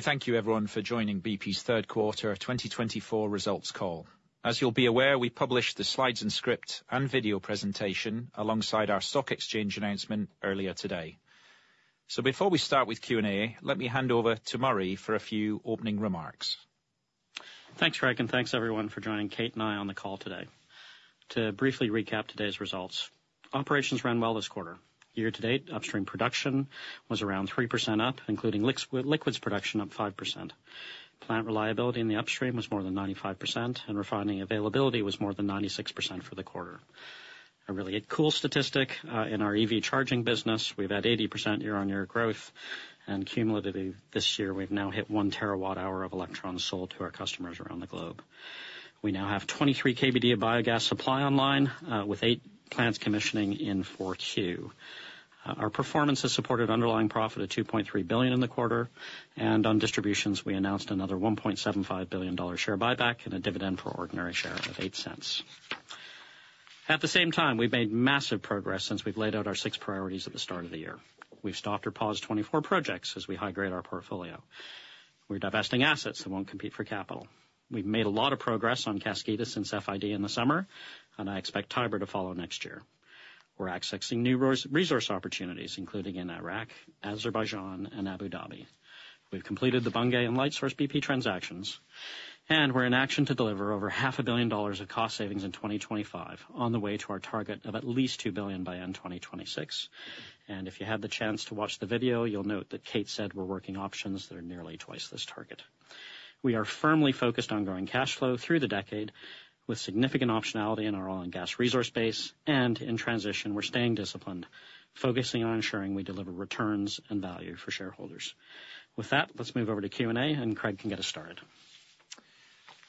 Thank you, everyone, for joining BP's third quarter 2024 results call. As you'll be aware, we published the slides and script and video presentation alongside our stock exchange announcement earlier today, so before we start with Q&A, let me hand over to Murray for a few opening remarks. Thanks, Craig. And thanks, everyone, for joining Kate and I on the call today. To briefly recap today's results, operations ran well this quarter. Year-to-date upstream production was around 3% up, including liquids production up 5%. Plant reliability in the upstream was more than 95%, and refining availability was more than 96% for the quarter. A really cool statistic in our EV charging business, we've had 80% year-on-year growth, and cumulatively this year we've now hit one terawatt hour of electrons sold to our customers around the globe. We now have 23 KBD of biogas supply online, with eight plants commissioning in 4Q. Our performance has supported underlying profit of $2.3 billion in the quarter, and on distributions we announced another $1.75 billion share buyback and a dividend per ordinary share of $0.08. At the same time, we've made massive progress since we've laid out our six priorities at the start of the year. We've stopped or paused 24 projects as we high-grade our portfolio. We're divesting assets that won't compete for capital. We've made a lot of progress on Kaskida since FID in the summer, and I expect Tiber to follow next year. We're accessing new resource opportunities, including in Iraq, Azerbaijan, and Abu Dhabi. We've completed the Bunge and Lightsource bp transactions, and we're in action to deliver over $500 million of cost savings in 2025 on the way to our target of at least $2 billion by end 2026. And if you had the chance to watch the video, you'll note that Kate said we're working options that are nearly twice this target. We are firmly focused on growing cash flow through the decade, with significant optionality in our oil and gas resource base, and in transition we're staying disciplined, focusing on ensuring we deliver returns and value for shareholders. With that, let's move over to Q&A, and Craig can get us started.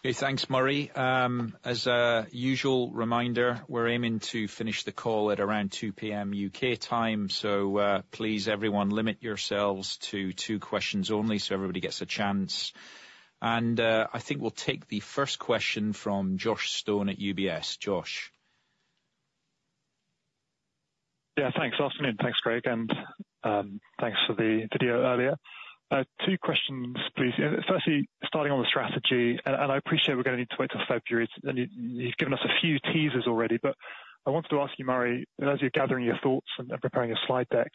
Okay, thanks, Murray. As a usual reminder, we're aiming to finish the call at around 2:00 P.M. U.K. time, so please everyone limit yourselves to two questions only so everybody gets a chance. And I think we'll take the first question from Josh Stone at UBS. Josh. Yeah, good afternoon. Thanks, Craig, and thanks for the video earlier. Two questions, please. Firstly, starting on the strategy, and I appreciate we're going to need to wait till February. You've given us a few teasers already, but I wanted to ask you, Murray, as you're gathering your thoughts and preparing your slide deck,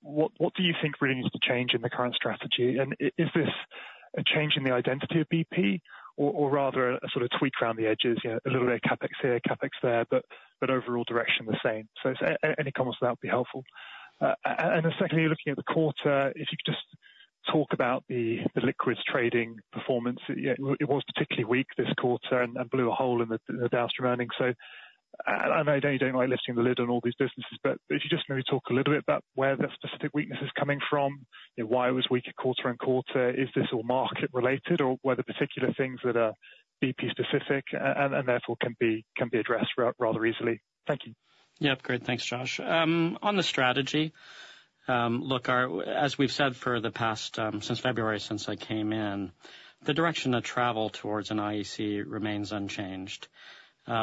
what do you think really needs to change in the current strategy? And is this a change in the identity of BP, or rather a sort of tweak around the edges, a little bit of CapEx here, CapEx there, but overall direction the same? So any comments on that would be helpful. And then secondly, looking at the quarter, if you could just talk about the liquids trading performance. It was particularly weak this quarter and blew a hole in the downstream earnings. So I know you don't like lifting the lid on all these businesses, but if you just maybe talk a little bit about where that specific weakness is coming from, why it was weak at quarter on quarter, is this all market related, or were there particular things that are BP specific and therefore can be addressed rather easily? Thank you. Yep, great. Thanks, Josh. On the strategy, look, as we've said for the past since February, since I came in, the direction of travel towards an IEC remains unchanged.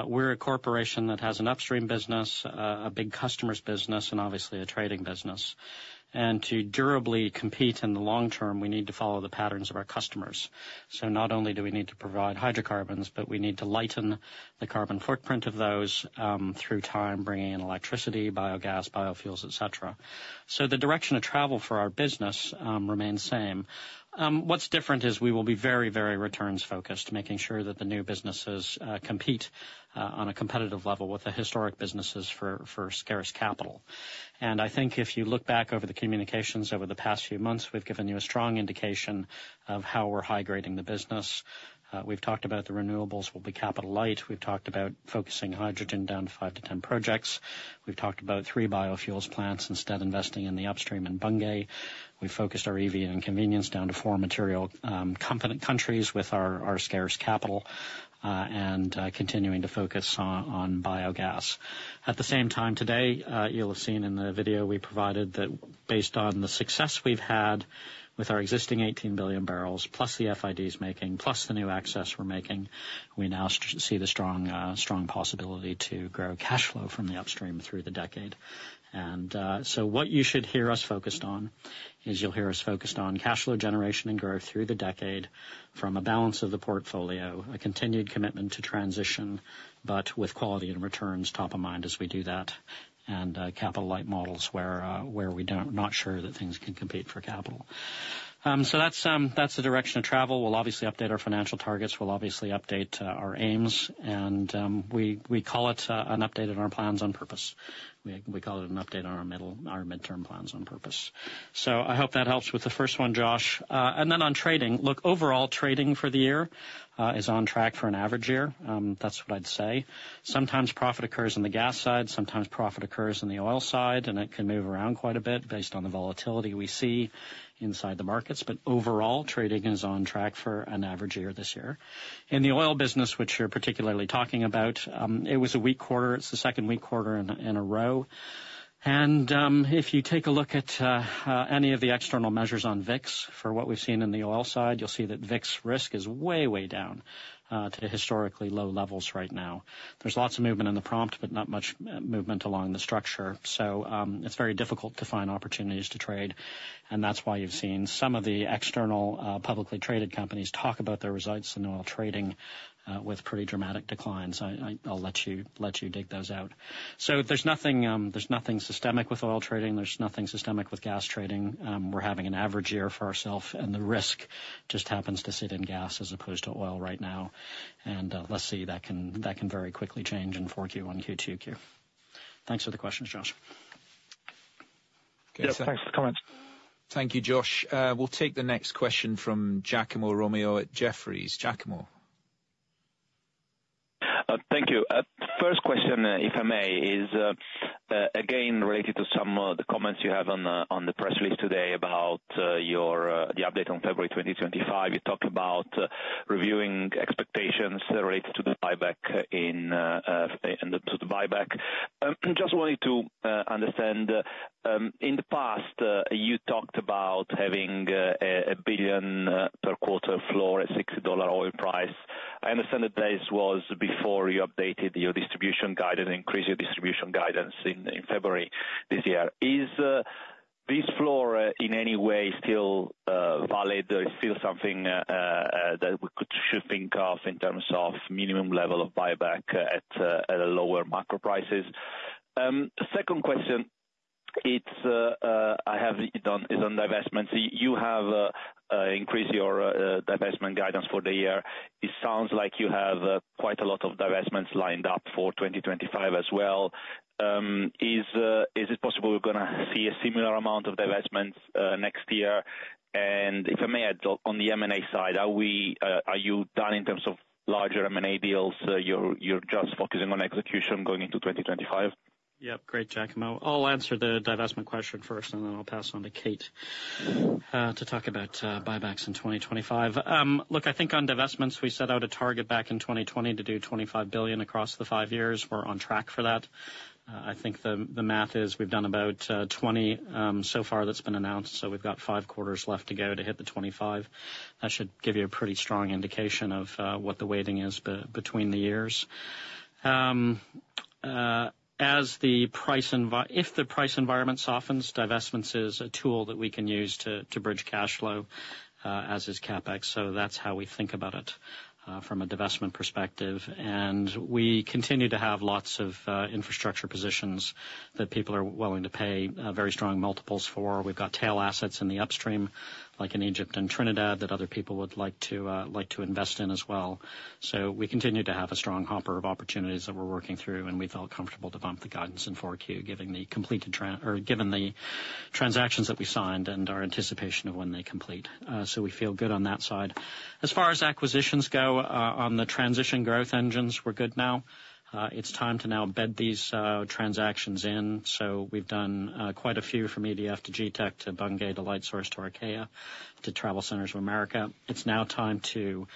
We're a corporation that has an upstream business, a big customer's business, and obviously a trading business. And to durably compete in the long term, we need to follow the patterns of our customers. So not only do we need to provide hydrocarbons, but we need to lighten the carbon footprint of those through time, bringing in electricity, biogas, biofuels, et cetera. So the direction of travel for our business remains same. What's different is we will be very, very returns focused, making sure that the new businesses compete on a competitive level with the historic businesses for scarce capital. And I think if you look back over the communications over the past few months, we've given you a strong indication of how we're high-grading the business. We've talked about the renewables will be capital light. We've talked about focusing hydrogen down to five to 10 projects. We've talked about three biofuels plants instead of investing in the upstream and Bunge. We've focused our EV and convenience down to four material component countries with our scarce capital and continuing to focus on biogas. At the same time today, you'll have seen in the video we provided that based on the success we've had with our existing 18 billion barrels, plus the FIDs making, plus the new access we're making, we now see the strong possibility to grow cash flow from the upstream through the decade. And so what you should hear us focused on is you'll hear us focused on cash flow generation and growth through the decade from a balance of the portfolio, a continued commitment to transition, but with quality and returns top of mind as we do that, and capital light models where we're not sure that things can compete for capital. So that's the direction of travel. We'll obviously update our financial targets. We'll obviously update our aims. And we call it an update on our plans on purpose. We call it an update on our midterm plans on purpose. So I hope that helps with the first one, Josh. And then on trading, look, overall trading for the year is on track for an average year. That's what I'd say. Sometimes profit occurs on the gas side, sometimes profit occurs on the oil side, and it can move around quite a bit based on the volatility we see inside the markets. But overall, trading is on track for an average year this year. In the oil business, which you're particularly talking about, it was a weak quarter. It's the second weak quarter in a row. And if you take a look at any of the external measures on VIX for what we've seen in the oil side, you'll see that VIX risk is way, way down to historically low levels right now. There's lots of movement in the prompt, but not much movement along the structure. So it's very difficult to find opportunities to trade. And that's why you've seen some of the external publicly traded companies talk about their results in oil trading with pretty dramatic declines. I'll let you dig those out. So there's nothing systemic with oil trading. There's nothing systemic with gas trading. We're having an average year for ourselves, and the risk just happens to sit in gas as opposed to oil right now. And let's see, that can very quickly change in 4Q, 1Q, 2Q. Thanks for the questions, Josh. Yep, thanks for the comments. Thank you, Josh. We'll take the next question from Giacomo Romeo at Jefferies. Giacomo. Thank you. First question, if I may, is again related to some of the comments you have on the press release today about the update in February 2025. You talk about reviewing expectations related to the buyback into the buyback. Just wanted to understand, in the past, you talked about having a billion per quarter floor at $60 oil price. I understand that this was before you updated your distribution guidance, increased your distribution guidance in February this year. Is this floor in any way still valid? Is it still something that we should think of in terms of minimum level of buyback at lower macro prices? Second question, it's on divestments. You have increased your divestment guidance for the year. It sounds like you have quite a lot of divestments lined up for 2025 as well. Is it possible we're going to see a similar amount of divestments next year? And if I may, on the M&A side, are you done in terms of larger M&A deals? You're just focusing on execution going into 2025? Yep, great, Giacomo. I'll answer the divestment question first, and then I'll pass on to Kate to talk about buybacks in 2025. Look, I think on divestments, we set out a target back in 2020 to do $25 billion across the five years. We're on track for that. I think the math is we've done about 20 so far that's been announced, so we've got five quarters left to go to hit the 25. That should give you a pretty strong indication of what the weighting is between the years. As the price if the price environment softens, divestments is a tool that we can use to bridge cash flow, as is CapEx. So that's how we think about it from a divestment perspective. And we continue to have lots of infrastructure positions that people are willing to pay very strong multiples for. We've got tail assets in the upstream, like in Egypt and Trinidad, that other people would like to invest in as well. So we continue to have a strong hopper of opportunities that we're working through, and we felt comfortable to bump the guidance in 4Q, given the transactions that we signed and our anticipation of when they complete. So we feel good on that side. As far as acquisitions go on the transition growth engines, we're good now. It's time to now bed these transactions in. So we've done quite a few from EDF to GETEC to Bunge to Lightsource to Archaea to TravelCenters of America. It's now time to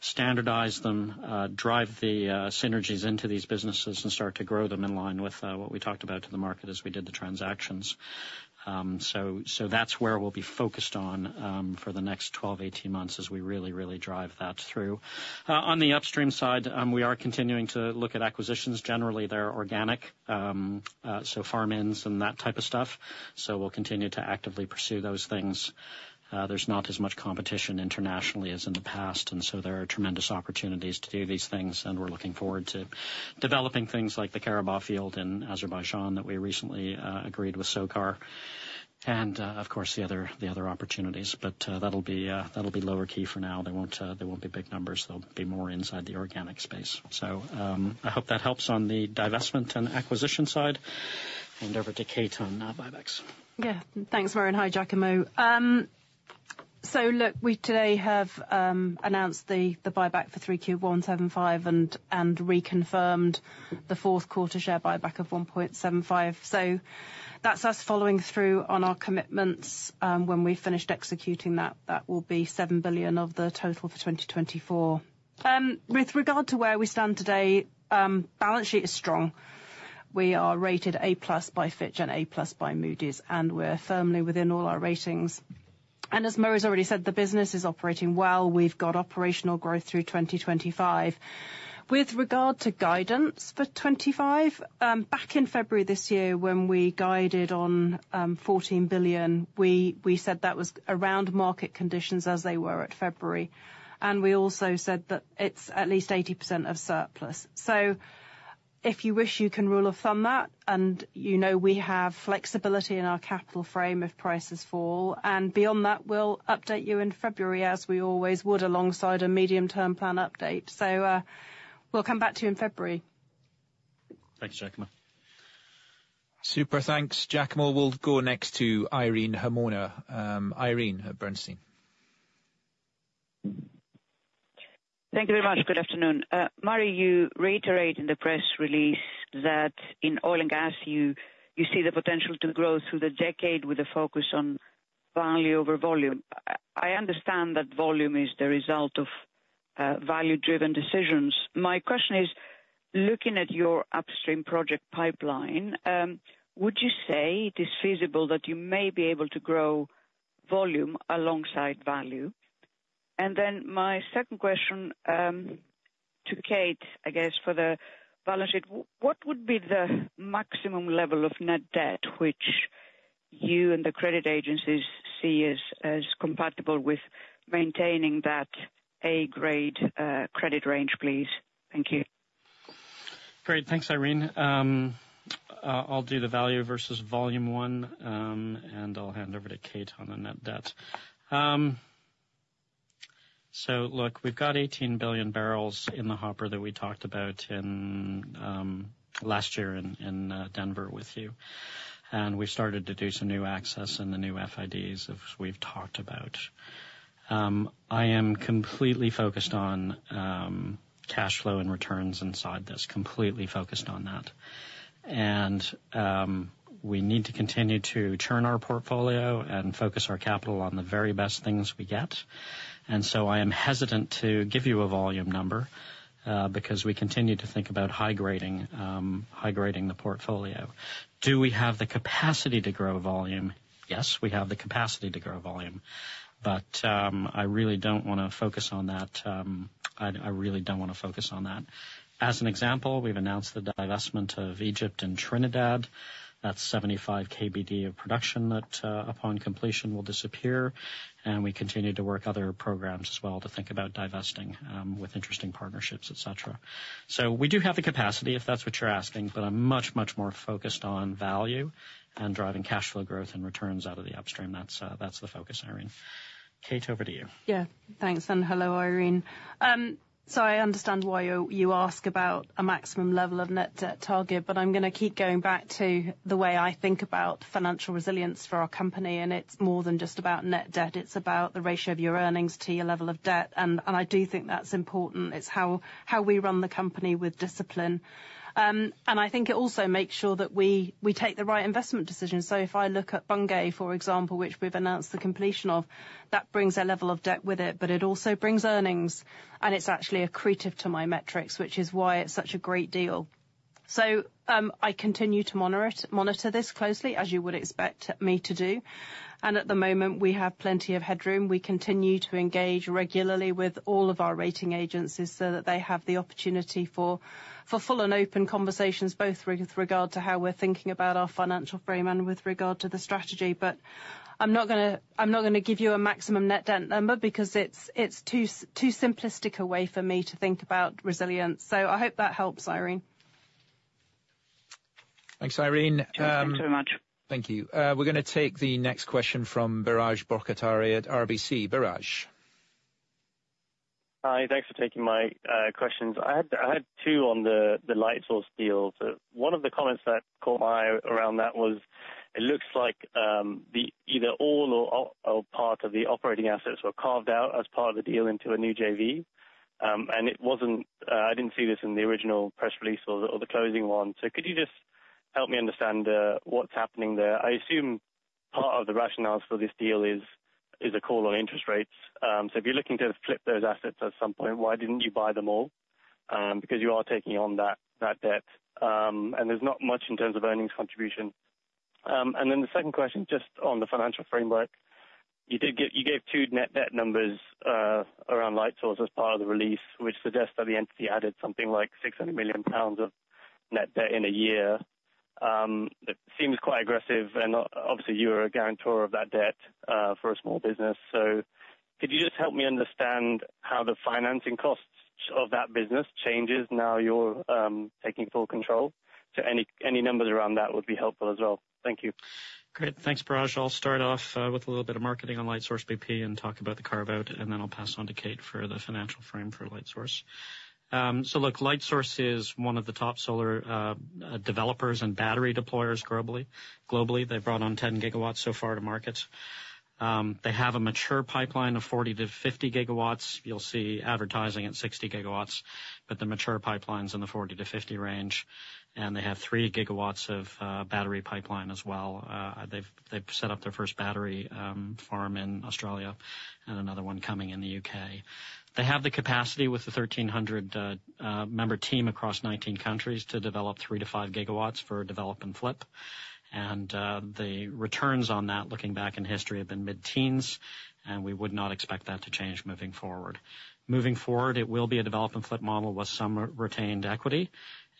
standardize them, drive the synergies into these businesses, and start to grow them in line with what we talked about to the market as we did the transactions. That's where we'll be focused on for the next 12-18 months as we really, really drive that through. On the upstream side, we are continuing to look at acquisitions. Generally, they're organic, so farm-ins and that type of stuff. We'll continue to actively pursue those things. There's not as much competition internationally as in the past, and so there are tremendous opportunities to do these things, and we're looking forward to developing things like the Karabakh field in Azerbaijan that we recently agreed with SOCAR. Of course, the other opportunities, but that'll be lower key for now. There won't be big numbers. There'll be more inside the organic space. I hope that helps on the divestment and acquisition side. Hand over to Kate on buybacks. Yeah, thanks, Murray. Hi, Giacomo. So look, we today have announced the buyback for Q3 $1.75 billion and reconfirmed the fourth quarter share buyback of $1.75 billion. So that's us following through on our commitments. When we've finished executing that, that will be $7 billion of the total for 2024. With regard to where we stand today, balance sheet is strong. We are rated A-plus by Fitch and A-plus by Moody's, and we're firmly within all our ratings, and as Murray's already said, the business is operating well. We've got operational growth through 2025. With regard to guidance for 25, back in February this year, when we guided on $14 billion, we said that was around market conditions as they were at February, and we also said that it's at least 80% of surplus. So if you wish, you can rule of thumb that. We have flexibility in our capital frame if prices fall. Beyond that, we'll update you in February, as we always would, alongside a medium-term plan update. We'll come back to you in February. Thanks, Giacomo. Super, thanks. Giacomo, we'll go next to Irene Himona, Irene at Bernstein. Thank you very much. Good afternoon. Murray, you reiterate in the press release that in oil and gas, you see the potential to grow through the decade with a focus on value over volume. I understand that volume is the result of value-driven decisions. My question is, looking at your upstream project pipeline, would you say it is feasible that you may be able to grow volume alongside value? And then my second question to Kate, I guess, for the balance sheet, what would be the maximum level of net debt which you and the credit agencies see as compatible with maintaining that A-grade credit range, please? Thank you. Great, thanks, Irene. I'll do the value versus volume one, and I'll hand over to Kate on the net debt. So look, we've got 18 billion barrels in the hopper that we talked about last year in Denver with you. And we've started to do some new access and the new FIDs we've talked about. I am completely focused on cash flow and returns inside this, completely focused on that. And we need to continue to churn our portfolio and focus our capital on the very best things we get. And so I am hesitant to give you a volume number because we continue to think about high-grading the portfolio. Do we have the capacity to grow volume? Yes, we have the capacity to grow volume. But I really don't want to focus on that. I really don't want to focus on that. As an example, we've announced the divestment of Egypt and Trinidad. That's 75 KBD of production that upon completion will disappear, and we continue to work other programs as well to think about divesting with interesting partnerships, et cetera, so we do have the capacity, if that's what you're asking, but I'm much, much more focused on value and driving cash flow growth and returns out of the upstream. That's the focus, Irene. Kate, over to you. Yeah, thanks. And hello, Irene. So I understand why you ask about a maximum level of net debt target, but I'm going to keep going back to the way I think about financial resilience for our company. And it's more than just about net debt. It's about the ratio of your earnings to your level of debt. And I do think that's important. It's how we run the company with discipline. And I think it also makes sure that we take the right investment decisions. So if I look at Bunge, for example, which we've announced the completion of, that brings a level of debt with it, but it also brings earnings. And it's actually accretive to my metrics, which is why it's such a great deal. So I continue to monitor this closely, as you would expect me to do. And at the moment, we have plenty of headroom. We continue to engage regularly with all of our rating agencies so that they have the opportunity for full and open conversations, both with regard to how we're thinking about our financial frame and with regard to the strategy. But I'm not going to give you a maximum net debt number because it's too simplistic a way for me to think about resilience. So I hope that helps, Irene. Thanks, Irene. Thank you so much. Thank you. We're going to take the next question from Biraj Borkhataria at RBC. Biraj. Hi, thanks for taking my questions. I had two on the Lightsource bp deal. One of the comments that caught my eye around that was it looks like either all or part of the operating assets were carved out as part of the deal into a new JV. And I didn't see this in the original press release or the closing one. So could you just help me understand what's happening there? I assume part of the rationale for this deal is a call on interest rates. So if you're looking to flip those assets at some point, why didn't you buy them all? Because you are taking on that debt. And there's not much in terms of earnings contribution. Then the second question, just on the financial framework, you gave two net debt numbers around Lightsource as part of the release, which suggests that the entity added something like 600 million pounds of net debt in a year. It seems quite aggressive. And obviously, you are a guarantor of that debt for a small business. So could you just help me understand how the financing costs of that business changes now you're taking full control? So any numbers around that would be helpful as well. Thank you. Great. Thanks, Biraj. I'll start off with a little bit of marketing on Lightsource bp and talk about the carve-out, and then I'll pass on to Kate for the financial frame for Lightsource. Look, Lightsource bp is one of the top solar developers and battery deployers globally. They've brought on 10 gigawatts so far to market. They have a mature pipeline of 40-50 gigawatts. You'll see advertising at 60 gigawatts, but the mature pipeline's in the 40-50 range. They have three gigawatts of battery pipeline as well. They've set up their first battery farm in Australia and another one coming in the U.K.. They have the capacity with the 1,300-member team across 19 countries to develop three to five gigawatts for develop-and-flip. The returns on that, looking back in history, have been mid-teens, and we would not expect that to change moving forward. Moving forward, it will be a develop and flip model with some retained equity.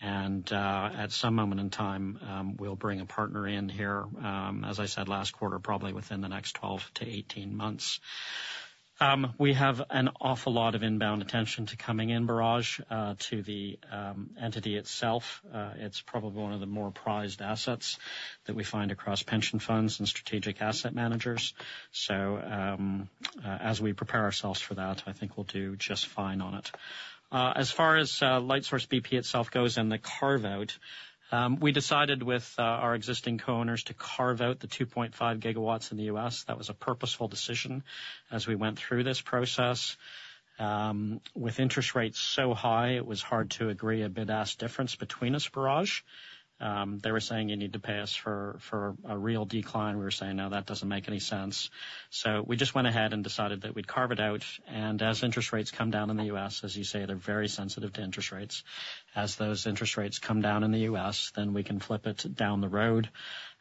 And at some moment in time, we'll bring a partner in here, as I said, last quarter, probably within the next 12-18 months. We have an awful lot of inbound attention coming in, Biraj, to the entity itself. It's probably one of the more prized assets that we find across pension funds and strategic asset managers. So as we prepare ourselves for that, I think we'll do just fine on it. As far as Lightsource bp itself goes and the carve-out, we decided with our existing co-owners to carve out the 2.5 gigawatts in the U.S. That was a purposeful decision as we went through this process. With interest rates so high, it was hard to agree a bid-ask difference between us, Biraj. They were saying, "You need to pay us for a real decline." We were saying, "No, that doesn't make any sense." We just went ahead and decided that we'd carve it out. As interest rates come down in the U.S., as you say, they're very sensitive to interest rates. As those interest rates come down in the U.S., then we can flip it down the road.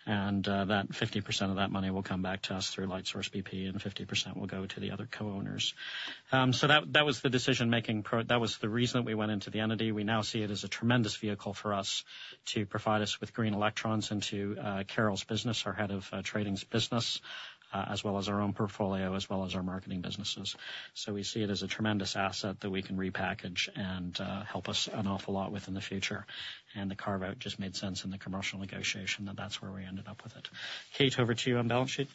That 50% of that money will come back to us through Lightsource bp, and 50% will go to the other co-owners. That was the decision-making. That was the reason that we went into the entity. We now see it as a tremendous vehicle for us to provide us with green electrons into Carol's business, our head of trading's business, as well as our own portfolio, as well as our marketing businesses. So we see it as a tremendous asset that we can repackage and help us an awful lot with in the future. And the carve-out just made sense in the commercial negotiation that that's where we ended up with it. Kate, over to you on balance sheet.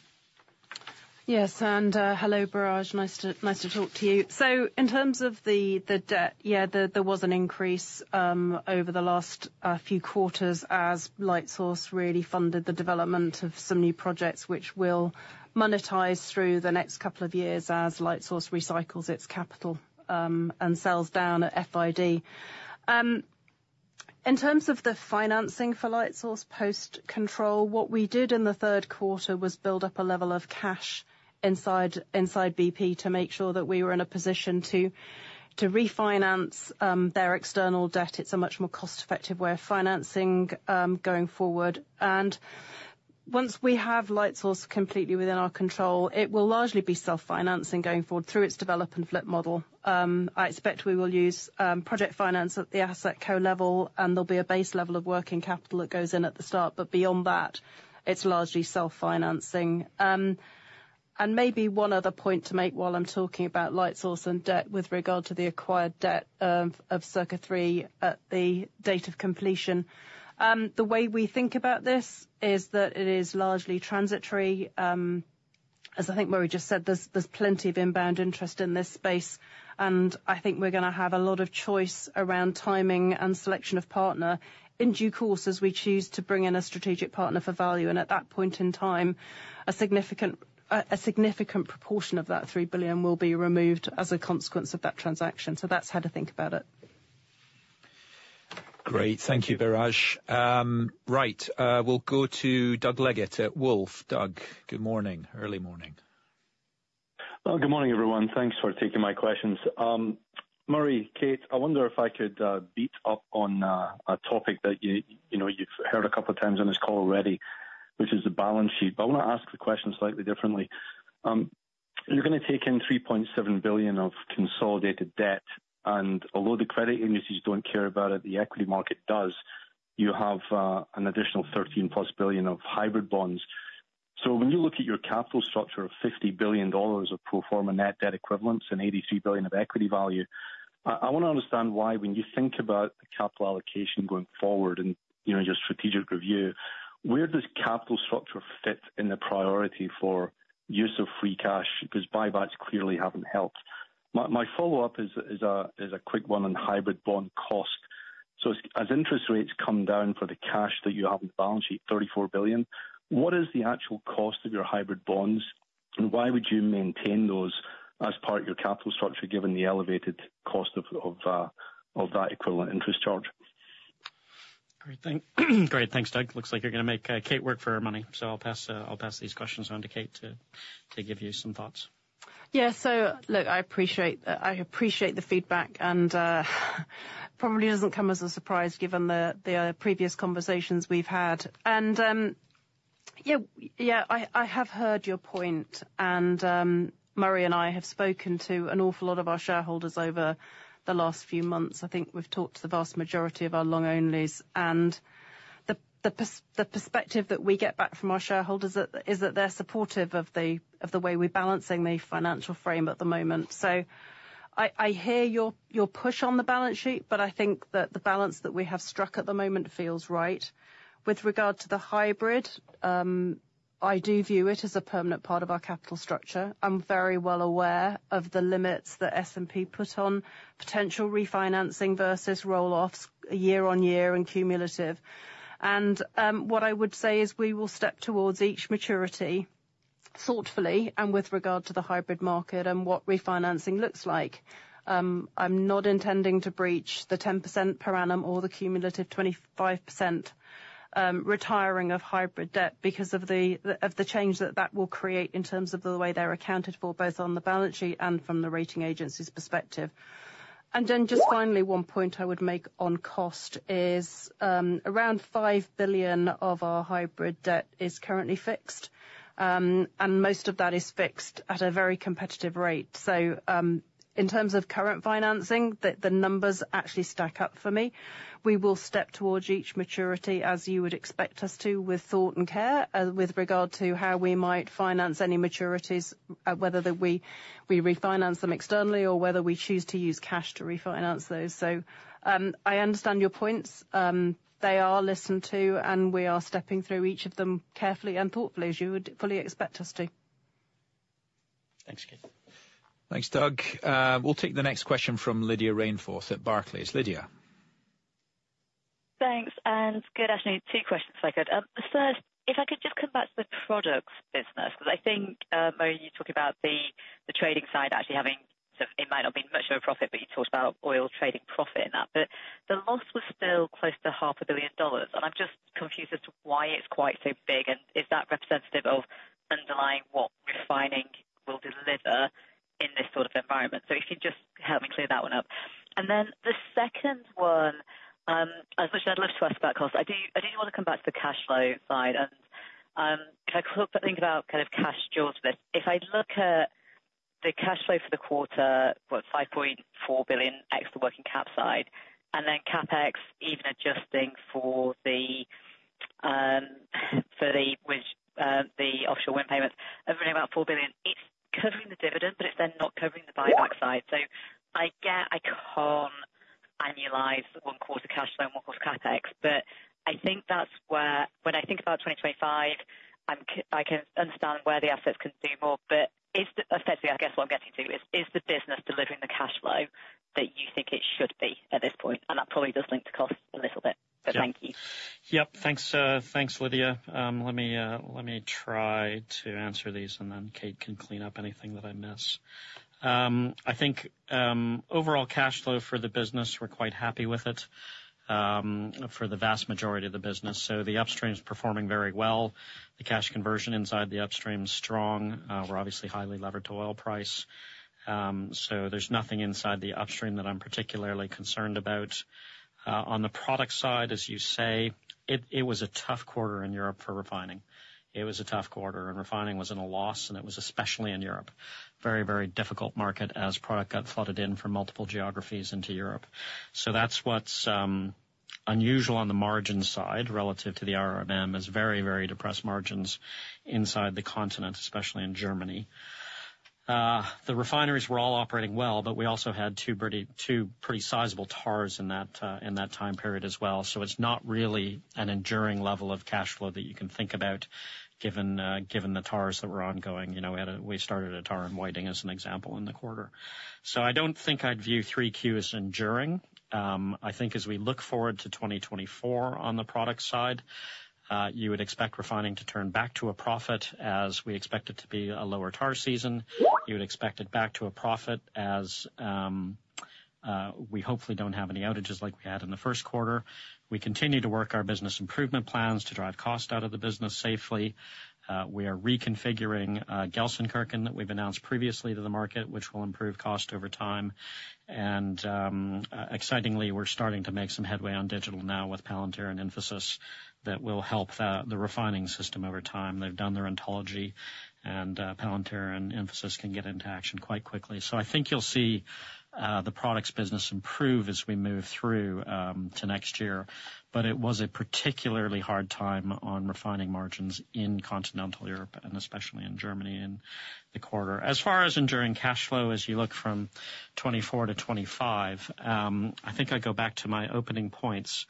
Yes. And hello, Biraj. Nice to talk to you. So in terms of the debt, yeah, there was an increase over the last few quarters as Lightsource really funded the development of some new projects, which we'll monetize through the next couple of years as Lightsource recycles its capital and sells down at FID. In terms of the financing for Lightsource post-control, what we did in the third quarter was build up a level of cash inside BP to make sure that we were in a position to refinance their external debt. It's a much more cost-effective way of financing going forward. And once we have Lightsource completely within our control, it will largely be self-financing going forward through its develop and flip model. I expect we will use project finance at the AssetCo level, and there'll be a base level of working capital that goes in at the start, but beyond that, it's largely self-financing. And maybe one other point to make while I'm talking about Lightsource and debt with regard to the acquired debt of circa 3 at the date of completion. The way we think about this is that it is largely transitory. As I think Murray just said, there's plenty of inbound interest in this space. And I think we're going to have a lot of choice around timing and selection of partner in due course as we choose to bring in a strategic partner for value. And at that point in time, a significant proportion of that 3 billion will be removed as a consequence of that transaction, so that's how to think about it. Great. Thank you, Biraj. Right. We'll go to Doug Leggett at Wolfe. Doug, good morning. Early morning. Good morning, everyone. Thanks for taking my questions. Murray, Kate, I wonder if I could beat up on a topic that you've heard a couple of times on this call already, which is the balance sheet. But I want to ask the question slightly differently. You're going to take in $3.7 billion of consolidated debt. And although the credit agencies don't care about it, the equity market does. You have an additional $13-plus billion of hybrid bonds. So when you look at your capital structure of $50 billion of pro forma net debt equivalents and $83 billion of equity value, I want to understand why when you think about capital allocation going forward and your strategic review, where does capital structure fit in the priority for use of free cash? Because buybacks clearly haven't helped. My follow-up is a quick one on hybrid bond cost. So as interest rates come down for the cash that you have in the balance sheet, $34 billion, what is the actual cost of your hybrid bonds? And why would you maintain those as part of your capital structure given the elevated cost of that equivalent interest charge? Great. Thanks, Doug. Looks like you're going to make Kate work for her money. So I'll pass these questions on to Kate to give you some thoughts. Yeah. So look, I appreciate the feedback, and it probably doesn't come as a surprise given the previous conversations we've had. And yeah, I have heard your point. And Murray and I have spoken to an awful lot of our shareholders over the last few months. I think we've talked to the vast majority of our long-onlys. And the perspective that we get back from our shareholders is that they're supportive of the way we're balancing the financial frame at the moment. So I hear your push on the balance sheet, but I think that the balance that we have struck at the moment feels right. With regard to the hybrid, I do view it as a permanent part of our capital structure. I'm very well aware of the limits that S&P put on potential refinancing versus rolloffs year on year and cumulative. And what I would say is we will step towards each maturity thoughtfully and with regard to the hybrid market and what refinancing looks like. I'm not intending to breach the 10% per annum or the cumulative 25% retiring of hybrid debt because of the change that that will create in terms of the way they're accounted for both on the balance sheet and from the rating agency's perspective. And then just finally, one point I would make on cost is around five billion of our hybrid debt is currently fixed. And most of that is fixed at a very competitive rate. So in terms of current financing, the numbers actually stack up for me. We will step towards each maturity as you would expect us to with thought and care with regard to how we might finance any maturities, whether we refinance them externally or whether we choose to use cash to refinance those. So I understand your points. They are listened to, and we are stepping through each of them carefully and thoughtfully as you would fully expect us to. Thanks, Kate. Thanks, Doug. We'll take the next question from Lydia Rainforth at Barclays. Lydia. Thanks. And good afternoon. Two questions if I could. First, if I could just come back to the products business, because I think, Murray, you talked about the trading side actually having it might not be much of a profit, but you talked about oil trading profit in that. But the loss was still close to $500 million. And I'm just confused as to why it's quite so big, and is that representative of underlying what refining will deliver in this sort of environment? So if you can just help me clear that one up. And then the second one, which I'd love to ask about cost, I do want to come back to the cash flow side. And if I think about kind of cash flows with this, if I look at the cash flow for the quarter, what, $5.4 billion extra working capital side, and then CapEx even adjusting for the offshore wind payments, everything about $4 billion, it's covering the dividend, but it's then not covering the buyback side. So I can't annualize one quarter cash flow and one quarter CapEx. But I think that's where when I think about 2025, I can understand where the assets can do more. But effectively, I guess what I'm getting to is, is the business delivering the cash flow that you think it should be at this point? And that probably does link to cost a little bit. But thank you. Yep. Thanks, Lydia. Let me try to answer these, and then Kate can clean up anything that I miss. I think overall cash flow for the business, we're quite happy with it for the vast majority of the business. So the upstream is performing very well. The cash conversion inside the upstream is strong. We're obviously highly levered to oil price. So there's nothing inside the upstream that I'm particularly concerned about. On the product side, as you say, it was a tough quarter in Europe for refining. It was a tough quarter, and refining was in a loss, and it was especially in Europe. Very, very difficult market as product got flooded in from multiple geographies into Europe. So that's what's unusual on the margin side relative to the RMM as very, very depressed margins inside the continent, especially in Germany. The refineries were all operating well, but we also had two pretty sizable turnarounds in that time period as well. So it's not really an enduring level of cash flow that you can think about given the turnarounds that were ongoing. We started a turnaround in Whiting as an example in the quarter. So I don't think I'd view 3Q as enduring. I think as we look forward to 2024 on the product side, you would expect refining to turn back to a profit as we expect it to be a lower turnaround season. You would expect it back to a profit as we hopefully don't have any outages like we had in the first quarter. We continue to work our business improvement plans to drive cost out of the business safely. We are reconfiguring Gelsenkirchen that we've announced previously to the market, which will improve cost over time. Excitingly, we're starting to make some headway on digital now with Palantir and Infosys that will help the refining system over time. They've done their Ontology, and Palantir and Infosys can get into action quite quickly. I think you'll see the products business improve as we move through to next year. It was a particularly hard time on refining margins in continental Europe and especially in Germany in the quarter. As far as enduring cash flow, as you look from 2024 to 2025, I think I go back to my opening points.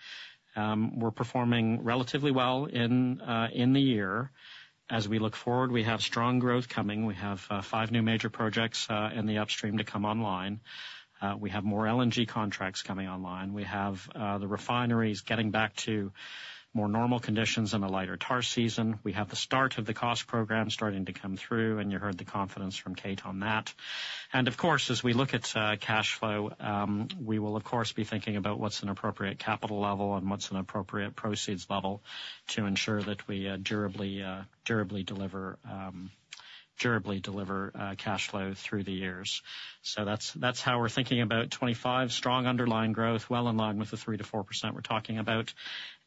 We're performing relatively well in the year. As we look forward, we have strong growth coming. We have five new major projects in the upstream to come online. We have more LNG contracts coming online. We have the refineries getting back to more normal conditions and a lighter TAR season. We have the start of the cost program starting to come through, and you heard the confidence from Kate on that, and of course, as we look at cash flow, we will, of course, be thinking about what's an appropriate capital level and what's an appropriate proceeds level to ensure that we durably deliver cash flow through the years, so that's how we're thinking about 2025. Strong underlying growth, well in line with the 3%-4% we're talking about,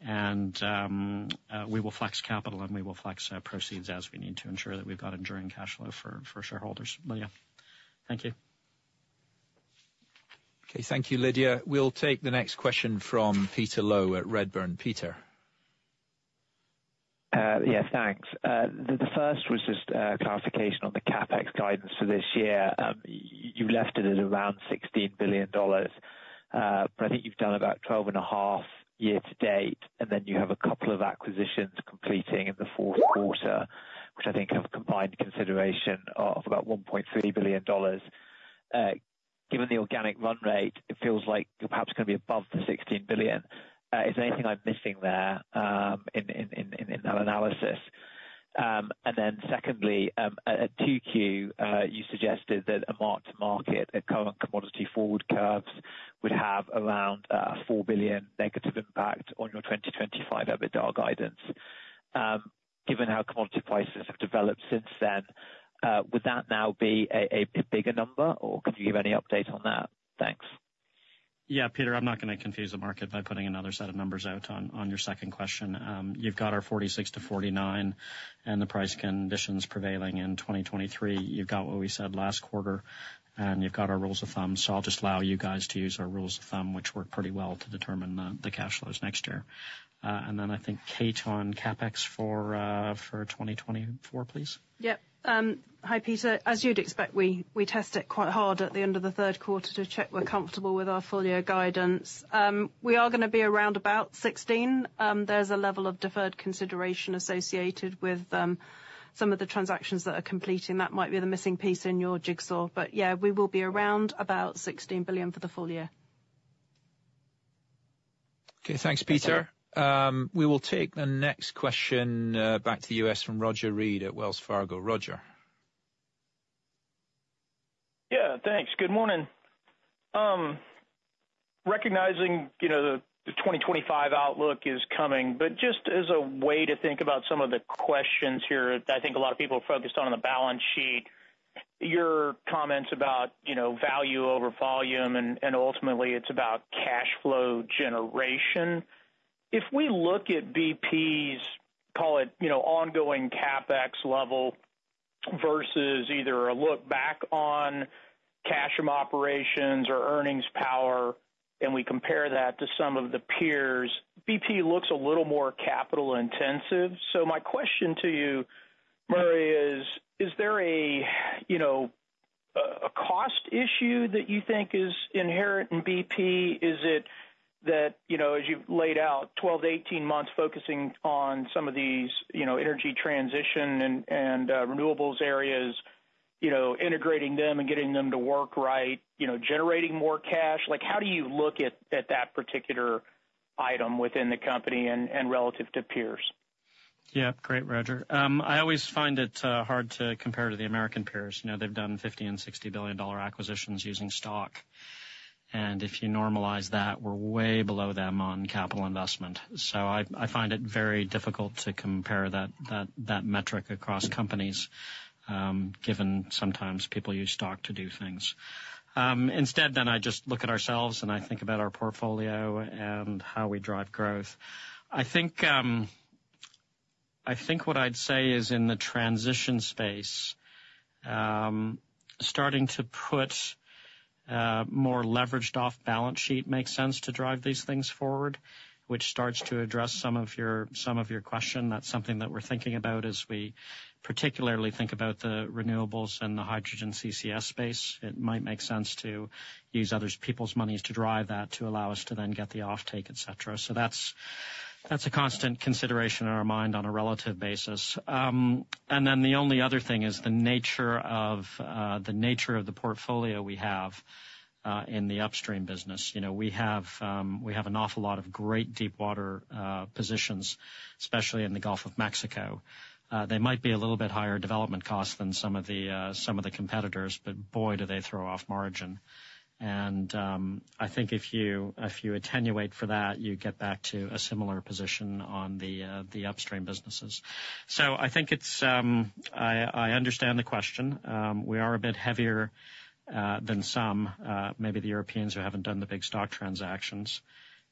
and we will flex capital, and we will flex proceeds as we need to ensure that we've got enduring cash flow for shareholders, but yeah. Thank you. Okay. Thank you, Lydia. We'll take the next question from Peter Low at Redburn. Peter. Yes, thanks. The first was just a clarification on the CapEx guidance for this year. You left it at around $16 billion. But I think you've done about $12.5 billion year to date. And then you have a couple of acquisitions completing in the fourth quarter, which I think have combined consideration of about $1.3 billion. Given the organic run rate, it feels like you're perhaps going to be above the $16 billion. Is there anything I'm missing there in that analysis? And then secondly, at 2Q, you suggested that a mark-to-market, a current commodity forward curves, would have around $4 billion negative impact on your 2025 EBITDA guidance. Given how commodity prices have developed since then, would that now be a bigger number, or could you give any update on that? Thanks. Yeah, Peter, I'm not going to confuse the market by putting another set of numbers out on your second question. You've got our 46-49 and the price conditions prevailing in 2023. You've got what we said last quarter, and you've got our rules of thumb. So I'll just allow you guys to use our rules of thumb, which work pretty well to determine the cash flows next year. And then I think Kate on CapEx for 2024, please. Yep. Hi, Peter. As you'd expect, we test it quite hard at the end of the third quarter to check we're comfortable with our full year guidance. We are going to be around about $16 billion. There's a level of deferred consideration associated with some of the transactions that are completing. That might be the missing piece in your jigsaw. But yeah, we will be around about $16 billion for the full year. Okay. Thanks, Peter. We will take the next question back to the U.S. from Roger Read at Wells Fargo. Roger. Yeah. Thanks. Good morning. Recognizing the 2025 outlook is coming, but just as a way to think about some of the questions here, I think a lot of people are focused on the balance sheet, your comments about value over volume, and ultimately it's about cash flow generation. If we look at BP's ongoing capex level versus either a look back on cash from operations or earnings power, and we compare that to some of the peers, BP looks a little more capital intensive. So my question to you, Murray, is, is there a cost issue that you think is inherent in BP? Is it that, as you've laid out, 12-18 months focusing on some of these energy transition and renewables areas, integrating them and getting them to work right, generating more cash? How do you look at that particular item within the company and relative to peers? Yeah. Great, Roger. I always find it hard to compare to the American peers. They've done $50-$60 billion acquisitions using stock, and if you normalize that, we're way below them on capital investment, so I find it very difficult to compare that metric across companies, given sometimes people use stock to do things. Instead, then I just look at ourselves and I think about our portfolio and how we drive growth. I think what I'd say is in the transition space, starting to put more leveraged off-balance-sheet makes sense to drive these things forward, which starts to address some of your question. That's something that we're thinking about as we particularly think about the renewables and the hydrogen CCS space. It might make sense to use other people's monies to drive that to allow us to then get the offtake, etc. So that's a constant consideration in our mind on a relative basis. And then the only other thing is the nature of the portfolio we have in the upstream business. We have an awful lot of great deepwater positions, especially in the Gulf of Mexico. They might be a little bit higher development cost than some of the competitors, but boy, do they throw off margin. And I think if you attenuate for that, you get back to a similar position on the upstream businesses. So I think I understand the question. We are a bit heavier than some, maybe the Europeans who haven't done the big stock transactions.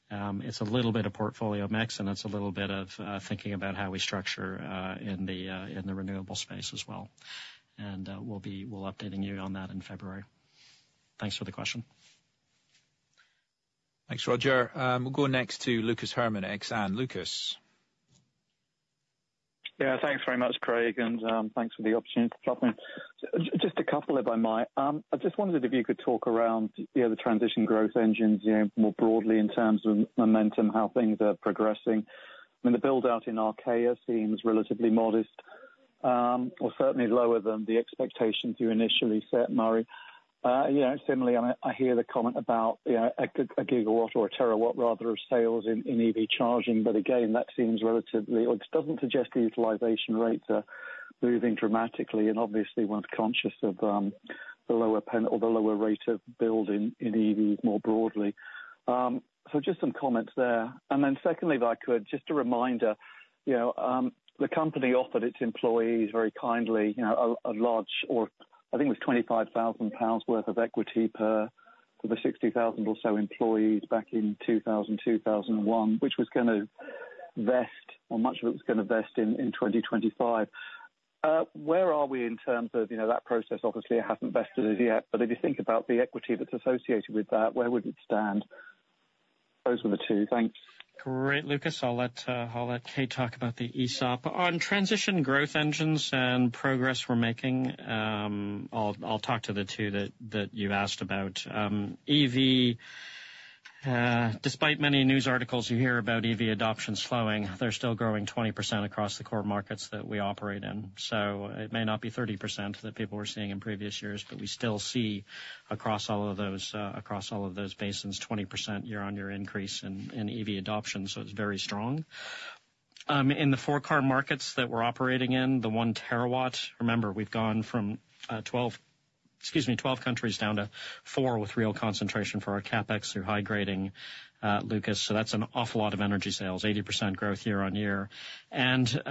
It's a little bit of portfolio mix, and it's a little bit of thinking about how we structure in the renewable space as well. And we'll be updating you on that in February. Thanks for the question. Thanks, Roger. We'll go next to Lucas Herrmann at Exane. Lucas. Yeah. Thanks very much, Craig, and thanks for the opportunity to chat with me. Just a couple if I might. I just wondered if you could talk around the transition growth engines more broadly in terms of momentum, how things are progressing. I mean, the buildout in Archaea seems relatively modest, or certainly lower than the expectations you initially set, Murray. Similarly, I hear the comment about a gigawatt or a terawatt, rather, of sales in EV charging. But again, that seems relatively. It doesn't suggest the utilization rates are moving dramatically, and obviously, one's conscious of the lower rate of build in EVs more broadly. So just some comments there. And then secondly, Roger, just a reminder, the company offered its employees very kindly a large or I think it was 25,000 pounds worth of equity for the 60,000 or so employees back in 2000, 2001, which was going to vest, or much of it was going to vest in 2025. Where are we in terms of that process? Obviously, it hasn't vested as yet. But if you think about the equity that's associated with that, where would it stand? Those were the two. Thanks. Great, Lucas. I'll let Kate talk about the ESOP. On transition growth engines and progress we're making, I'll talk to the two that you asked about. EV, despite many news articles you hear about EV adoption slowing, they're still growing 20% across the core markets that we operate in. So it may not be 30% that people were seeing in previous years, but we still see across all of those markets 20% year-on-year increase in EV adoption. So it's very strong. In the four core markets that we're operating in, the one terawatt, remember, we've gone from 12 countries down to four with real concentration for our CapEx through high grading, Lucas. So that's an awful lot of energy sales, 80% growth year-on-year. And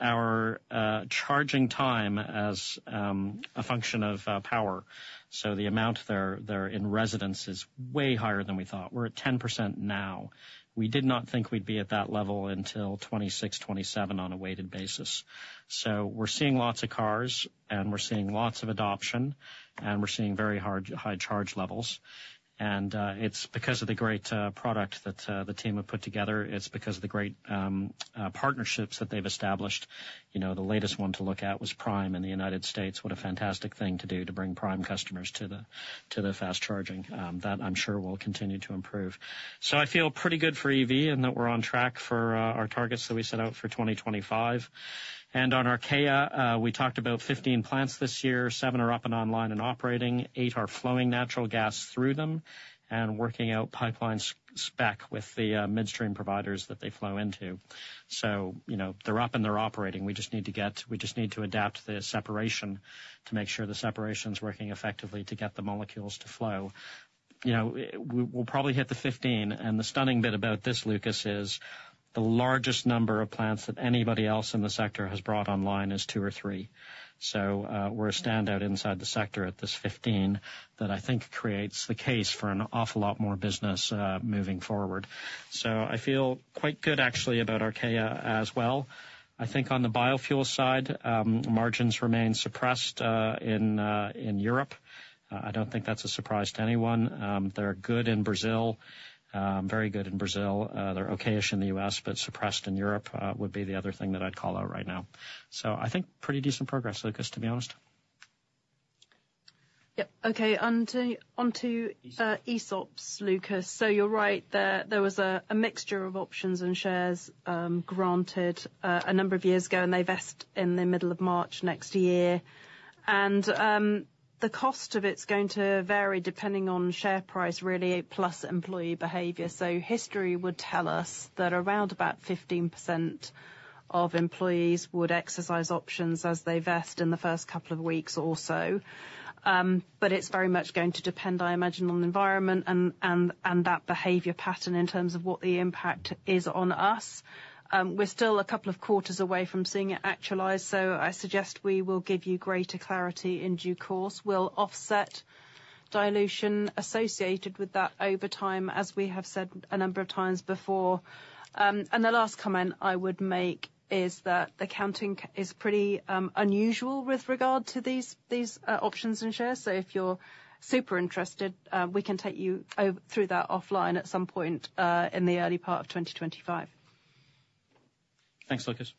our charging time as a function of power. So the amount there in residence is way higher than we thought. We're at 10% now. We did not think we'd be at that level until 2026, 2027 on a weighted basis. So we're seeing lots of cars, and we're seeing lots of adoption, and we're seeing very high charge levels. And it's because of the great product that the team have put together. It's because of the great partnerships that they've established. The latest one to look at was Prime in the United States, what a fantastic thing to do to bring Prime customers to the fast charging. That I'm sure will continue to improve. So I feel pretty good for EV and that we're on track for our targets that we set out for 2025. And on Archaea, we talked about 15 plants this year. Seven are up and online and operating. Eight are flowing natural gas through them and working out pipeline spec with the midstream providers that they flow into. They're up and they're operating. We just need to adapt the separation to make sure the separation's working effectively to get the molecules to flow. We'll probably hit the 15. The stunning bit about this, Lucas, is the largest number of plants that anybody else in the sector has brought online is two or three. We're a standout inside the sector at this 15 that I think creates the case for an awful lot more business moving forward. I feel quite good, actually, about Archaea as well. On the biofuel side, margins remain suppressed in Europe. I don't think that's a surprise to anyone. They're good in Brazil, very good in Brazil. They're okay-ish in the US, but suppressed in Europe would be the other thing that I'd call out right now. So I think pretty decent progress, Lucas, to be honest. Yep. Okay. Onto ESOPs, Lucas. So you're right. There was a mixture of options and shares granted a number of years ago, and they vest in the middle of March next year. And the cost of it's going to vary depending on share price, really, plus employee behavior. So history would tell us that around about 15% of employees would exercise options as they vest in the first couple of weeks or so. But it's very much going to depend, I imagine, on the environment and that behavior pattern in terms of what the impact is on us. We're still a couple of quarters away from seeing it actualize. So I suggest we will give you greater clarity in due course. We'll offset dilution associated with that over time, as we have said a number of times before. The last comment I would make is that the counting is pretty unusual with regard to these options and shares. If you're super interested, we can take you through that offline at some point in the early part of 2025. Thanks, Lucas.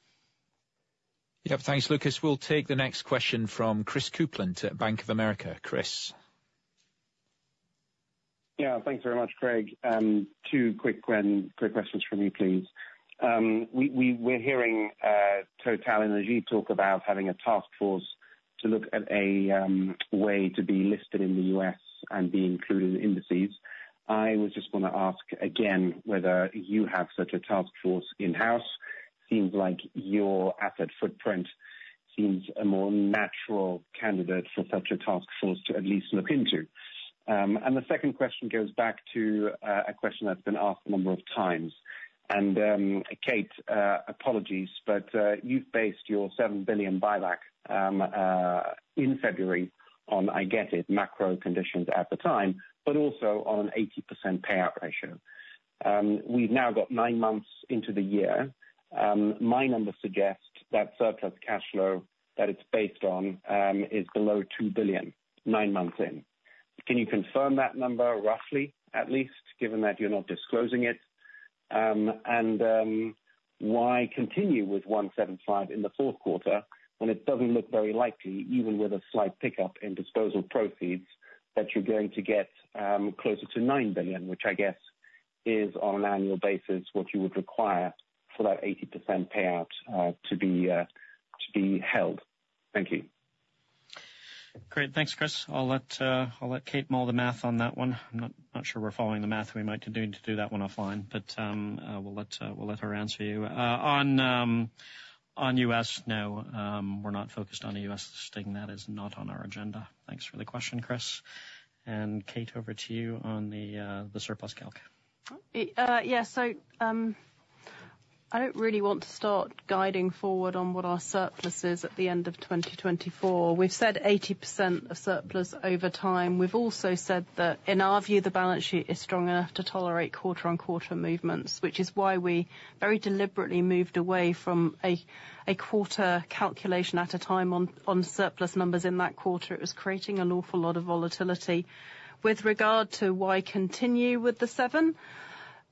Yep. Thanks, Lucas. We'll take the next question from Chris Kuplent at Bank of America. Chris. Yeah. Thanks very much, Craig. Two quick questions from me, please. We're hearing TotalEnergies talk about having a task force to look at a way to be listed in the U.S. and be included in indices. I was just going to ask again whether you have such a task force in-house. Seems like your asset footprint seems a more natural candidate for such a task force to at least look into. And the second question goes back to a question that's been asked a number of times. And Kate, apologies, but you've based your $7 billion buyback in February on, I get it, macro conditions at the time, but also on an 80% payout ratio. We've now got nine months into the year. My numbers suggest that surplus cash flow that it's based on is below $2 billion nine months in. Can you confirm that number roughly, at least, given that you're not disclosing it? And why continue with 175 in the fourth quarter when it doesn't look very likely, even with a slight pickup in disposal proceeds, that you're going to get closer to $9 billion, which I guess is on an annual basis what you would require for that 80% payout to be held? Thank you. Great. Thanks, Chris. I'll let Kate mull the math on that one. I'm not sure we're following the math. We might do that one offline, but we'll let her answer you. On U.S., no. We're not focused on a U.S. staying. That is not on our agenda. Thanks for the question, Chris. And Kate, over to you on the surplus calc. Yeah, so I don't really want to start guiding forward on what our surplus is at the end of 2024. We've said 80% of surplus over time. We've also said that, in our view, the balance sheet is strong enough to tolerate quarter-on-quarter movements, which is why we very deliberately moved away from a quarter calculation at a time on surplus numbers in that quarter. It was creating an awful lot of volatility. With regard to why continue with the 7,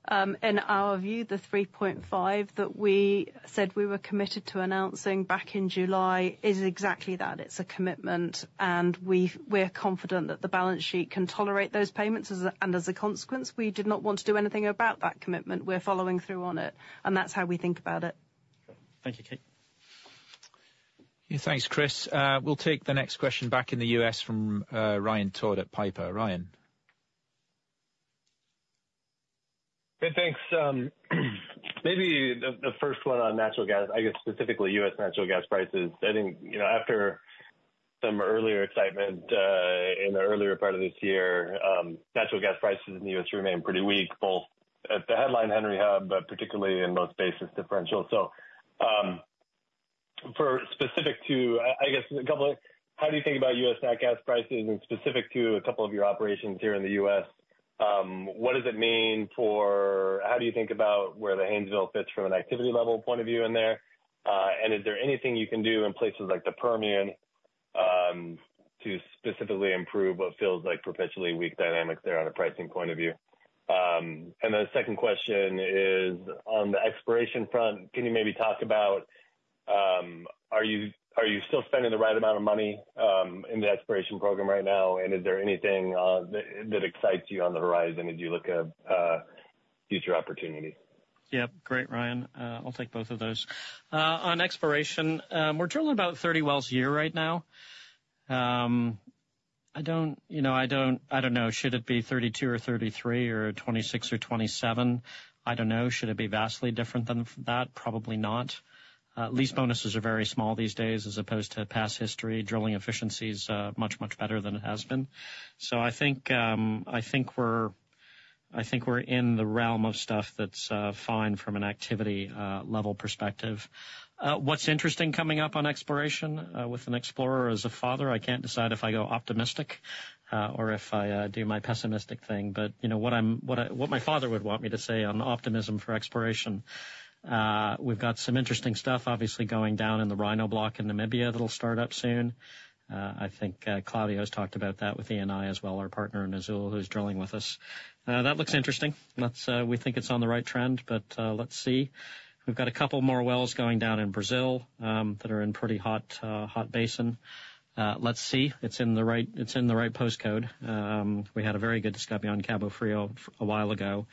in our view, the 3.5 that we said we were committed to announcing back in July is exactly that. It's a commitment, and we're confident that the balance sheet can tolerate those payments. And as a consequence, we did not want to do anything about that commitment. We're following through on it, and that's how we think about it. Thank you, Kate. Thanks, Chris. We'll take the next question back in the U.S. from Ryan Todd at Piper. Ryan. Thanks. Maybe the first one on natural gas, I guess specifically U.S. natural gas prices. I think after some earlier excitement in the earlier part of this year, natural gas prices in the U.S. remain pretty weak, both at the headline Henry Hub, but particularly in most basis differential. So specific to, I guess, a couple of how do you think about U.S. natural gas prices and specific to a couple of your operations here in the U.S.? What does it mean for how do you think about where the Haynesville fits from an activity level point of view in there? And is there anything you can do in places like the Permian to specifically improve what feels like perpetually weak dynamics there on a pricing point of view? Then the second question is on the exploration front. Can you maybe talk about are you still spending the right amount of money in the exploration program right now? And is there anything that excites you on the horizon as you look at future opportunity? Yep. Great, Ryan. I'll take both of those. On expiration, we're doing about 30 wells a year right now. I don't know. Should it be 32 or 33 or 26 or 27? I don't know. Should it be vastly different than that? Probably not. Lease bonuses are very small these days as opposed to past history. Drilling efficiency is much, much better than it has been. So I think we're in the realm of stuff that's fine from an activity level perspective. What's interesting coming up on expiration with exploration is a factor. I can't decide if I go optimistic or if I do my pessimistic thing. But what my father would want me to say on optimism for exploration, we've got some interesting stuff, obviously, going on in the Rhino Block in Namibia that'll start up soon. I think Claudio has talked about that with Eni as well, our partner in Azule who's drilling with us. That looks interesting. We think it's on the right trend, but let's see. We've got a couple more wells going down in Brazil that are in pretty hot basin. Let's see. It's in the right postcode. We had a very good discussion on Cabo Frio a while ago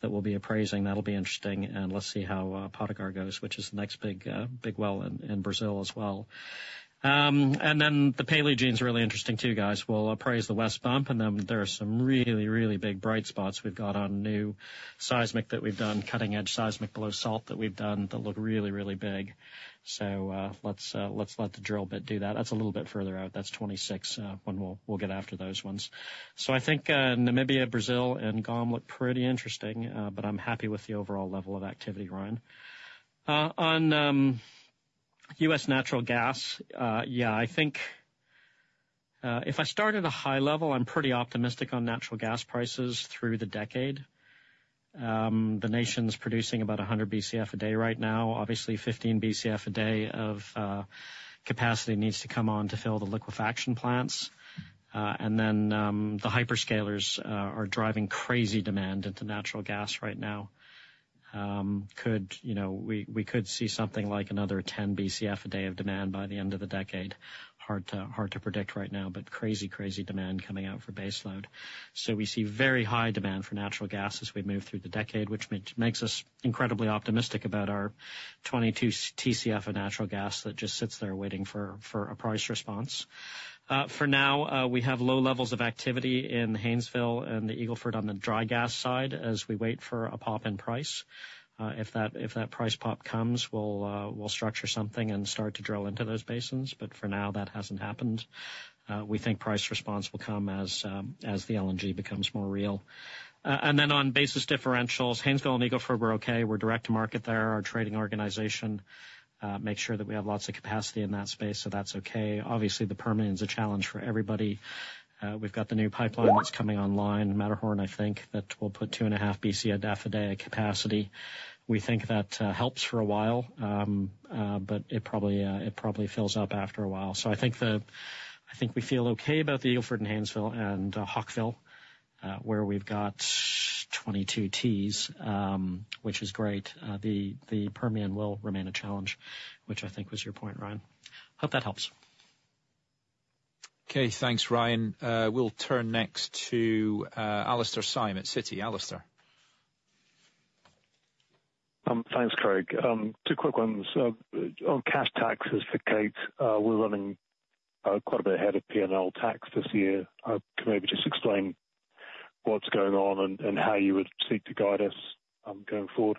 that we'll be appraising. That'll be interesting. And let's see how Pau-Brasil goes, which is the next big well in Brazil as well. And then the Paleogene's really interesting too, guys. We'll appraise the West Bump, and then there are some really, really big bright spots we've got on new seismic that we've done, cutting-edge seismic below salt that we've done that look really, really big. So let's let the drill bit do that. That's a little bit further out. That's 26 when we'll get after those ones. So I think Namibia, Brazil, and GOM look pretty interesting, but I'm happy with the overall level of activity, Ryan. On U.S. natural gas, yeah, I think if I start at a high level, I'm pretty optimistic on natural gas prices through the decade. The nation's producing about 100 BCF a day right now. Obviously, 15 BCF a day of capacity needs to come on to fill the liquefaction plants. And then the hyperscalers are driving crazy demand into natural gas right now. We could see something like another 10 BCF a day of demand by the end of the decade. Hard to predict right now, but crazy, crazy demand coming out for baseload. So we see very high demand for natural gas as we move through the decade, which makes us incredibly optimistic about our 22 TCF of natural gas that just sits there waiting for a price response. For now, we have low levels of activity in Haynesville and the Eagle Ford on the dry gas side as we wait for a pop in price. If that price pop comes, we'll structure something and start to drill into those basins. But for now, that hasn't happened. We think price response will come as the LNG becomes more real. And then on basis differentials, Haynesville and Eagle Ford were okay. We're direct to market there. Our trading organization makes sure that we have lots of capacity in that space, so that's okay. Obviously, the Permian is a challenge for everybody. We've got the new pipeline that's coming online, Matterhorn, I think, that will put 2.5 BCF a day of capacity. We think that helps for a while, but it probably fills up after a while. So I think we feel okay about the Eagle Ford and Haynesville and Hawkville, where we've got 22 TCF, which is great. The Permian will remain a challenge, which I think was your point, Ryan. Hope that helps. Okay. Thanks, Ryan. We'll turn next to Alastair Syme at Citi. Alastair. Thanks, Craig. Two quick ones. On cash taxes for Kate, we're running quite a bit ahead of P&L tax this year. Can maybe just explain what's going on and how you would seek to guide us going forward.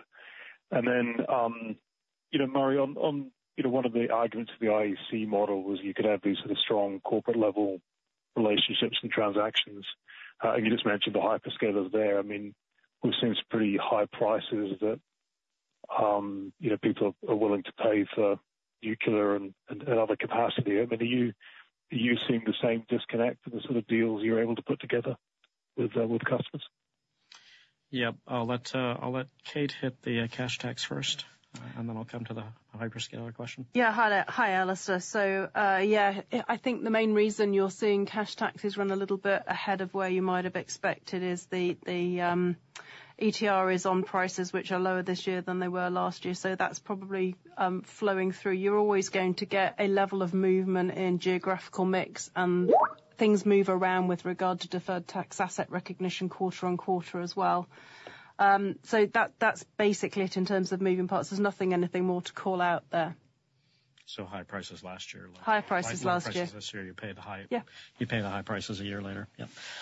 And then, Murray, on one of the arguments of the IEC model was you could have these sort of strong corporate-level relationships and transactions. And you just mentioned the hyperscalers there. I mean, we've seen some pretty high prices that people are willing to pay for nuclear and other capacity. I mean, are you seeing the same disconnect in the sort of deals you're able to put together with customers? Yep. I'll let Kate hit the cash tax first, and then I'll come to the hyperscaler question. Yeah. Hi, Alastair. So yeah, I think the main reason you're seeing cash taxes run a little bit ahead of where you might have expected is the ETR on prices which are lower this year than they were last year. So that's probably flowing through. You're always going to get a level of movement in geographical mix, and things move around with regard to deferred tax asset recognition quarter on quarter as well. So that's basically it in terms of moving parts. There's nothing more to call out there. High prices last year. High prices last year. High prices last year. You pay the high. Yeah. You pay the high prices a year later.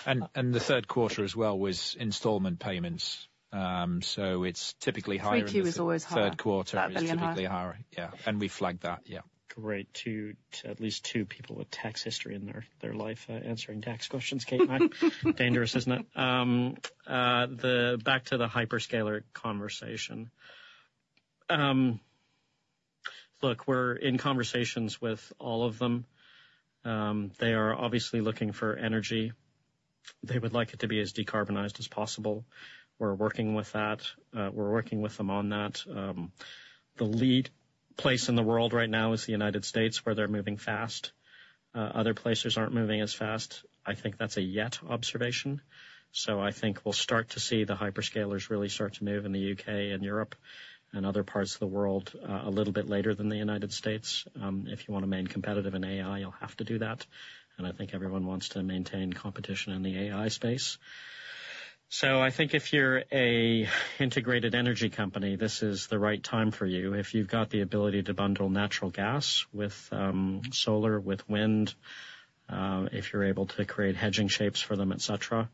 Yep. The third quarter as well was installment payments. It's typically higher in the. 3Q is always higher. Third quarter is typically higher. Yeah, and we flagged that. Yeah. Great. At least two people with tax history in their life answering tax questions. Kate, dangerous, isn't it? Back to the hyperscaler conversation. Look, we're in conversations with all of them. They are obviously looking for energy. They would like it to be as decarbonized as possible. We're working with that. We're working with them on that. The lead place in the world right now is the United States, where they're moving fast. Other places aren't moving as fast. I think that's a yet observation. So I think we'll start to see the hyperscalers really start to move in the U.K. and Europe and other parts of the world a little bit later than the United States. If you want to maintain competitive in AI, you'll have to do that. And I think everyone wants to maintain competition in the AI space. So I think if you're an integrated energy company, this is the right time for you. If you've got the ability to bundle natural gas with solar, with wind, if you're able to create hedging shapes for them, etc.,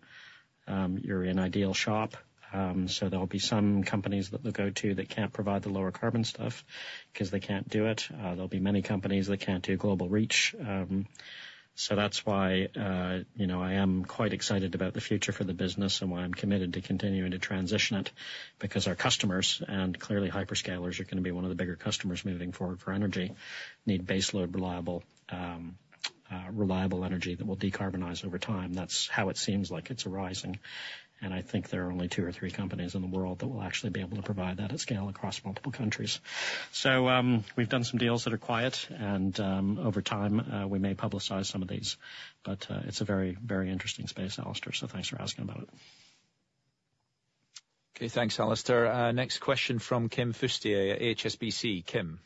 you're an ideal shop. So there'll be some companies that they'll go to that can't provide the lower carbon stuff because they can't do it. There'll be many companies that can't do global reach. So that's why I am quite excited about the future for the business and why I'm committed to continuing to transition it because our customers and clearly hyperscalers are going to be one of the bigger customers moving forward for energy, need baseload reliable energy that will decarbonize over time. That's how it seems like it's arising. I think there are only two or three companies in the world that will actually be able to provide that at scale across multiple countries. We've done some deals that are quiet, and over time, we may publicize some of these. It's a very, very interesting space, Alastair. Thanks for asking about it. Okay. Thanks, Alastair. Next question from Kim Fustier at HSBC. Kim.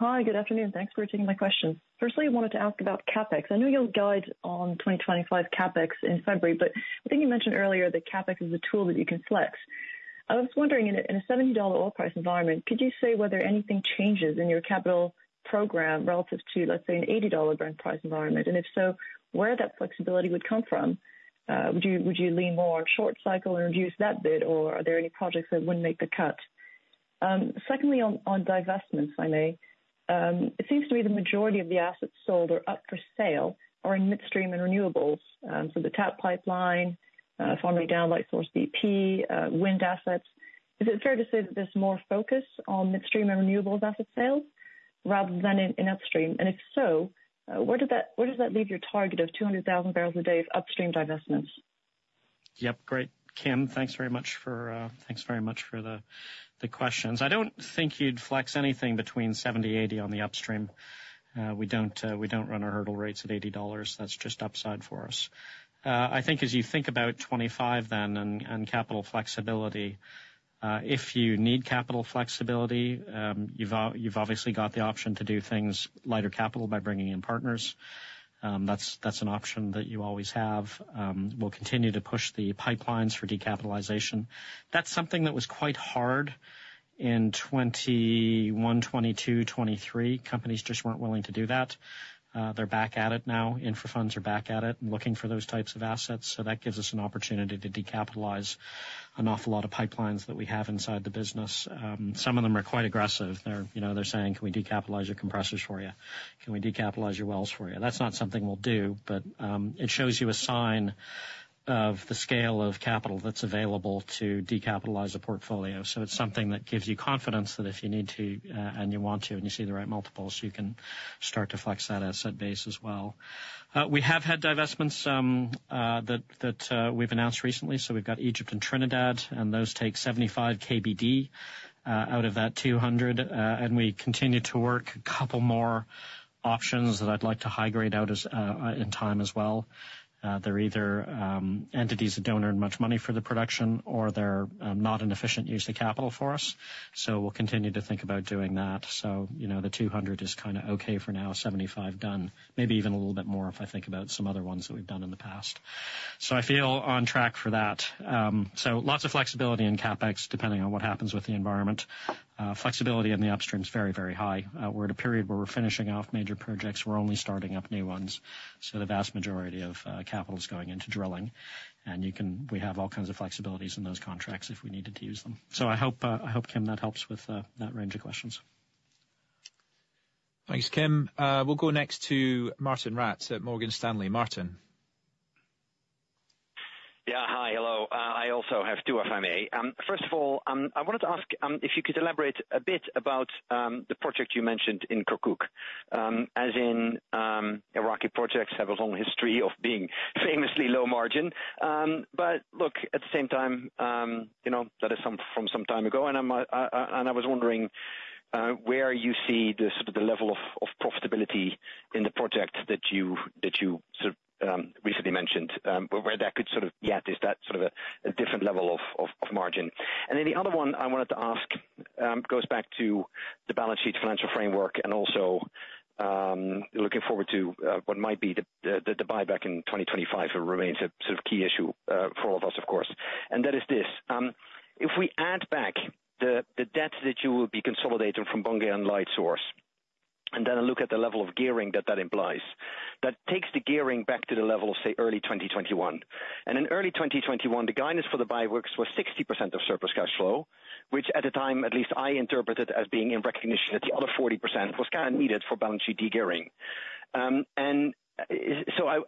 Hi. Good afternoon. Thanks for taking my question. Firstly, I wanted to ask about CapEx. I know you'll guide on 2025 CapEx in February, but I think you mentioned earlier that CapEx is a tool that you can flex. I was wondering, in a $70 oil price environment, could you say whether anything changes in your capital program relative to, let's say, an $80 Brent price environment? And if so, where that flexibility would come from? Would you lean more short-cycle and reduce that bit, or are there any projects that wouldn't make the cut? Secondly, on divestments, it seems to me the majority of the assets up for sale are in midstream and renewables. So the TAP pipeline, farm-down in Lightsource bp, wind assets. Is it fair to say that there's more focus on midstream and renewables asset sales rather than in upstream? If so, where does that leave your target of 200,000 barrels a day of upstream divestments? Yep. Great. Kim, thanks very much for the questions. I don't think you'd flex anything between $70, $80 on the upstream. We don't run our hurdle rates at $80. That's just upside for us. I think as you think about 2025 then and capital flexibility, if you need capital flexibility, you've obviously got the option to do things lighter capital by bringing in partners. That's an option that you always have. We'll continue to push the pipelines for decapitalization. That's something that was quite hard in 2021, 2022, 2023. Companies just weren't willing to do that. They're back at it now. Infra funds are back at it and looking for those types of assets. So that gives us an opportunity to decapitalize an awful lot of pipelines that we have inside the business. Some of them are quite aggressive. They're saying, "Can we decapitalize your compressors for you? Can we decapitalize your wells for you?" That's not something we'll do, but it shows you a sign of the scale of capital that's available to decapitalize a portfolio. So it's something that gives you confidence that if you need to and you want to and you see the right multiples, you can start to flex that asset base as well. We have had divestments that we've announced recently. So we've got Egypt and Trinidad, and those take 75 KBD out of that 200. And we continue to work a couple more options that I'd like to high grade out in time as well. They're either entities that don't earn much money for the production, or they're not an efficient use of capital for us. So we'll continue to think about doing that. So the 200 is kind of okay for now. 75 done. Maybe even a little bit more if I think about some other ones that we've done in the past. So I feel on track for that. So lots of flexibility in CapEx depending on what happens with the environment. Flexibility in the upstream is very, very high. We're at a period where we're finishing off major projects. We're only starting up new ones. So the vast majority of capital is going into drilling. And we have all kinds of flexibilities in those contracts if we needed to use them. So I hope, Kim, that helps with that range of questions. Thanks, Kim. We'll go next to Martijn Rats at Morgan Stanley. Martin. Yeah. Hi, hello. I also have two FMA. First of all, I wanted to ask if you could elaborate a bit about the project you mentioned in Kirkuk, as in Iraqi projects have a long history of being famously low margin. But look, at the same time, that is from some time ago. And I was wondering where you see the sort of level of profitability in the project that you sort of recently mentioned, where that could sort of yield. Is that sort of a different level of margin? And then the other one I wanted to ask goes back to the balance sheet financial framework and also looking forward to what might be the buyback in 2025. It remains a sort of key issue for all of us, of course. And that is this. If we add back the debt that you will be consolidating from Bunge and Lightsource bp, and then look at the level of gearing that that implies, that takes the gearing back to the level of, say, early 2021. And in early 2021, the guidance for the buybacks was 60% of surplus cash flow, which at the time, at least I interpreted as being in recognition that the other 40% was kind of needed for balance sheet degearing. And so I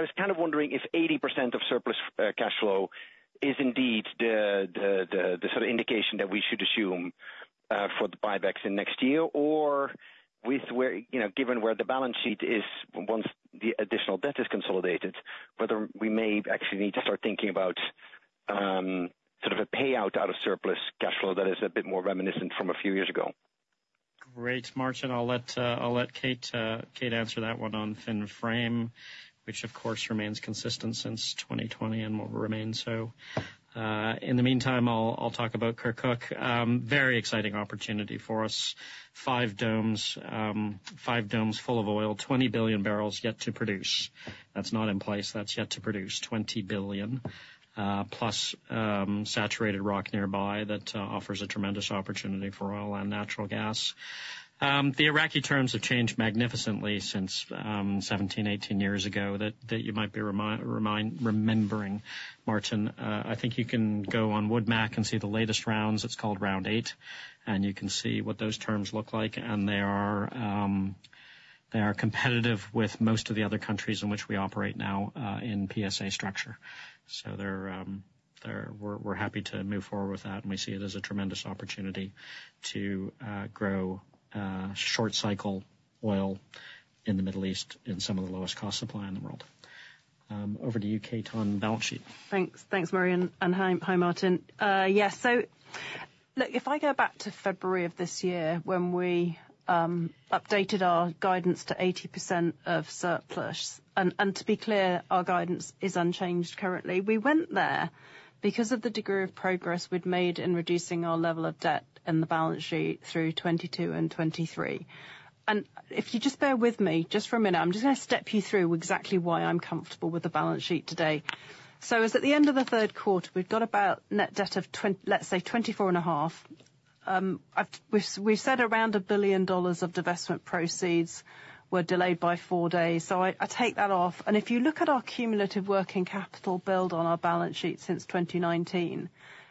was kind of wondering if 80% of surplus cash flow is indeed the sort of indication that we should assume for the buybacks in next year, or given where the balance sheet is once the additional debt is consolidated, whether we may actually need to start thinking about sort of a payout of surplus cash flow that is a bit more reminiscent from a few years ago. Great. Martin, I'll let Kate answer that one on FinFrame, which, of course, remains consistent since 2020 and will remain so. In the meantime, I'll talk about Kirkuk. Very exciting opportunity for us. Five domes, five domes full of oil, 20 billion barrels yet to produce. That's not in place. That's yet to produce 20 billion, plus saturated rock nearby that offers a tremendous opportunity for oil and natural gas. The Iraqi terms have changed magnificently since 17, 18 years ago that you might be remembering, Martin. I think you can go on WoodMac and see the latest rounds. It's called Round 8, and you can see what those terms look like, and they are competitive with most of the other countries in which we operate now in PSA structure. So we're happy to move forward with that, and we see it as a tremendous opportunity to grow short cycle oil in the Middle East in some of the lowest cost supply in the world. Over to you, Kate, on balance sheet. Thanks. Thanks, Murray. And hi, Martijn. Yeah. So look, if I go back to February of this year when we updated our guidance to 80% of surplus, and to be clear, our guidance is unchanged currently. We went there because of the degree of progress we'd made in reducing our level of debt in the balance sheet through 2022 and 2023. And if you just bear with me just for a minute, I'm just going to step you through exactly why I'm comfortable with the balance sheet today. So at the end of the third quarter, we've got about net debt of $24.5 billion. Let's say. We've said around $1 billion of divestment proceeds were delayed by four days. So I take that off. And if you look at our cumulative working capital build on our balance sheet since 2019,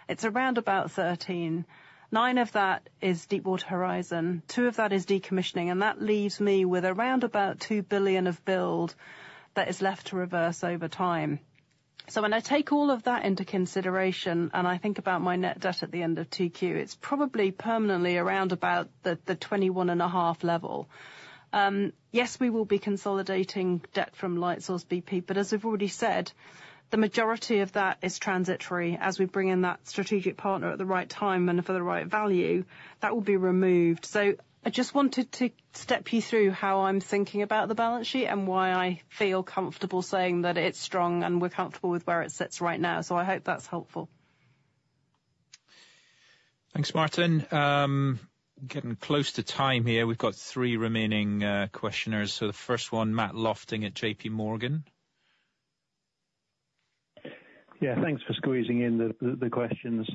it's around about $13 billion. Nine of that is Deepwater Horizon. Two of that is decommissioning, and that leaves me with around about $2 billion of build that is left to reverse over time. So when I take all of that into consideration and I think about my net debt at the end of 3Q, it's probably permanently around about the $21.5 billion level. Yes, we will be consolidating debt from Lightsource bp, but as I've already said, the majority of that is transitory. As we bring in that strategic partner at the right time and for the right value, that will be removed. So I just wanted to step you through how I'm thinking about the balance sheet and why I feel comfortable saying that it's strong and we're comfortable with where it sits right now. So I hope that's helpful. Thanks, Martijn. Getting close to time here. We've got three remaining questioners, so the first one, Matt Lofting at J.P. Morgan. Yeah. Thanks for squeezing in the questions.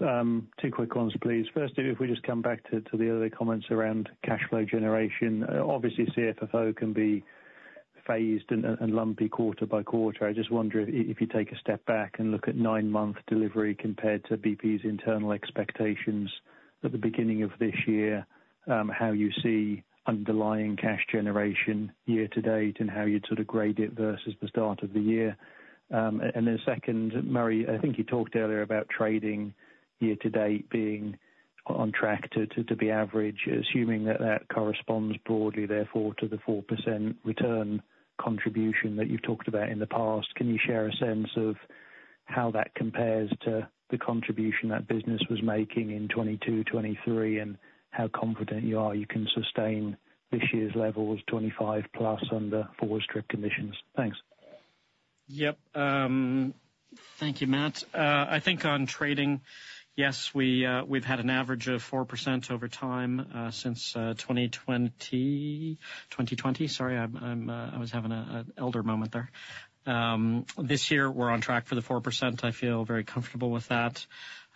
Two quick ones, please. First, if we just come back to the earlier comments around cash flow generation, obviously CFFO can be phased and lumpy quarter by quarter. I just wonder if you take a step back and look at nine-month delivery compared to BP's internal expectations at the beginning of this year, how you see underlying cash generation year to date and how you'd sort of grade it versus the start of the year. And then second, Murray, I think you talked earlier about trading year to date being on track to be average, assuming that that corresponds broadly, therefore, to the 4% return contribution that you've talked about in the past. Can you share a sense of how that compares to the contribution that business was making in 2022, 2023, and how confident you are you can sustain this year's levels, 25 plus under forward strip conditions? Thanks. Yep. Thank you, Matt. I think on trading, yes, we've had an average of 4% over time since 2020. Sorry, I was having an elder moment there. This year, we're on track for the 4%. I feel very comfortable with that.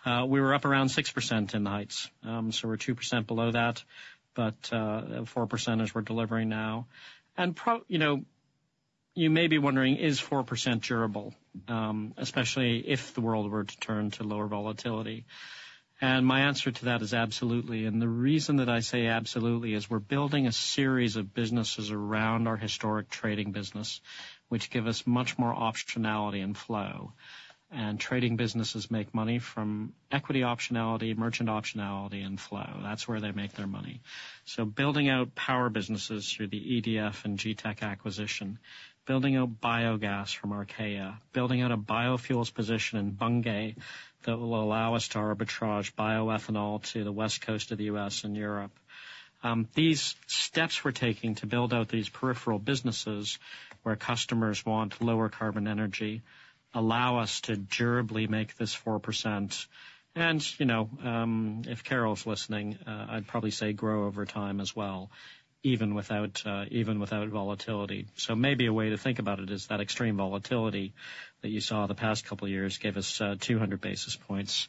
We were up around 6% in the heights. So we're 2% below that, but 4% is we're delivering now. And you may be wondering, is 4% durable, especially if the world were to turn to lower volatility? And my answer to that is absolutely. And the reason that I say absolutely is we're building a series of businesses around our historic trading business, which give us much more optionality and flow. And trading businesses make money from equity optionality, merchant optionality, and flow. That's where they make their money. Building out power businesses through the EDF Energy acquisition, building out biogas from Archaea, building out a biofuels position in Bunge that will allow us to arbitrage bioethanol to the West Coast of the U.S. and Europe. These steps we're taking to build out these peripheral businesses where customers want lower carbon energy allow us to durably make this 4%. If Carol's listening, I'd probably say grow over time as well, even without volatility. Maybe a way to think about it is that extreme volatility that you saw the past couple of years gave us 200 basis points.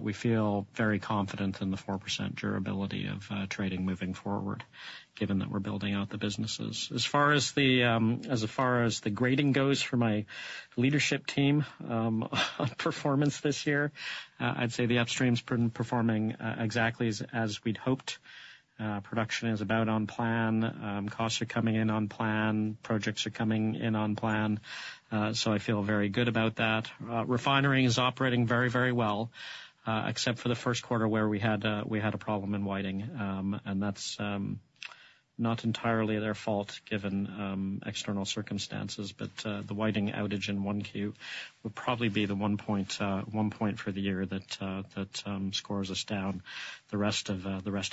We feel very confident in the 4% durability of trading moving forward, given that we're building out the business. As far as the grading goes for my leadership team performance this year, I'd say the upstream's been performing exactly as we'd hoped. Production is about on plan. Costs are coming in on plan. Projects are coming in on plan. So I feel very good about that. Refinery is operating very, very well, except for the first quarter where we had a problem in Whiting. And that's not entirely their fault, given external circumstances. But the Whiting outage in Q1 would probably be the one point for the year that scores us down. The rest of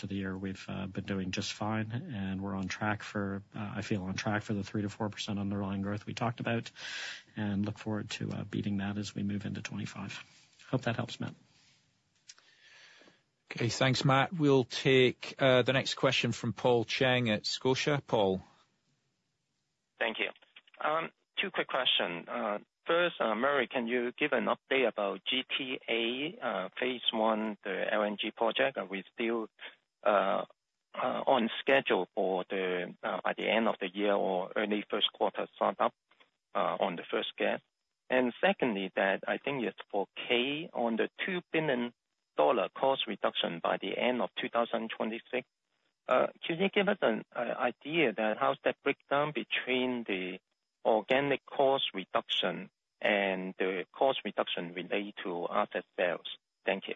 the year, we've been doing just fine. And we're on track for, I feel, on track for the 3%-4% underlying growth we talked about and look forward to beating that as we move into 2025. Hope that helps, Matt. Okay. Thanks, Matt. We'll take the next question from Paul Cheng at Scotiabank. Paul. Thank you. Two quick questions. First, Murray, can you give an update about GTA phase one, the LNG project? Are we still on schedule for by the end of the year or early first quarter startup on the first gas? And secondly, that's for Kate on the $2 billion cost reduction by the end of 2026. Can you give us an idea of how that's broken down between the organic cost reduction and the cost reduction related to asset sales? Thank you.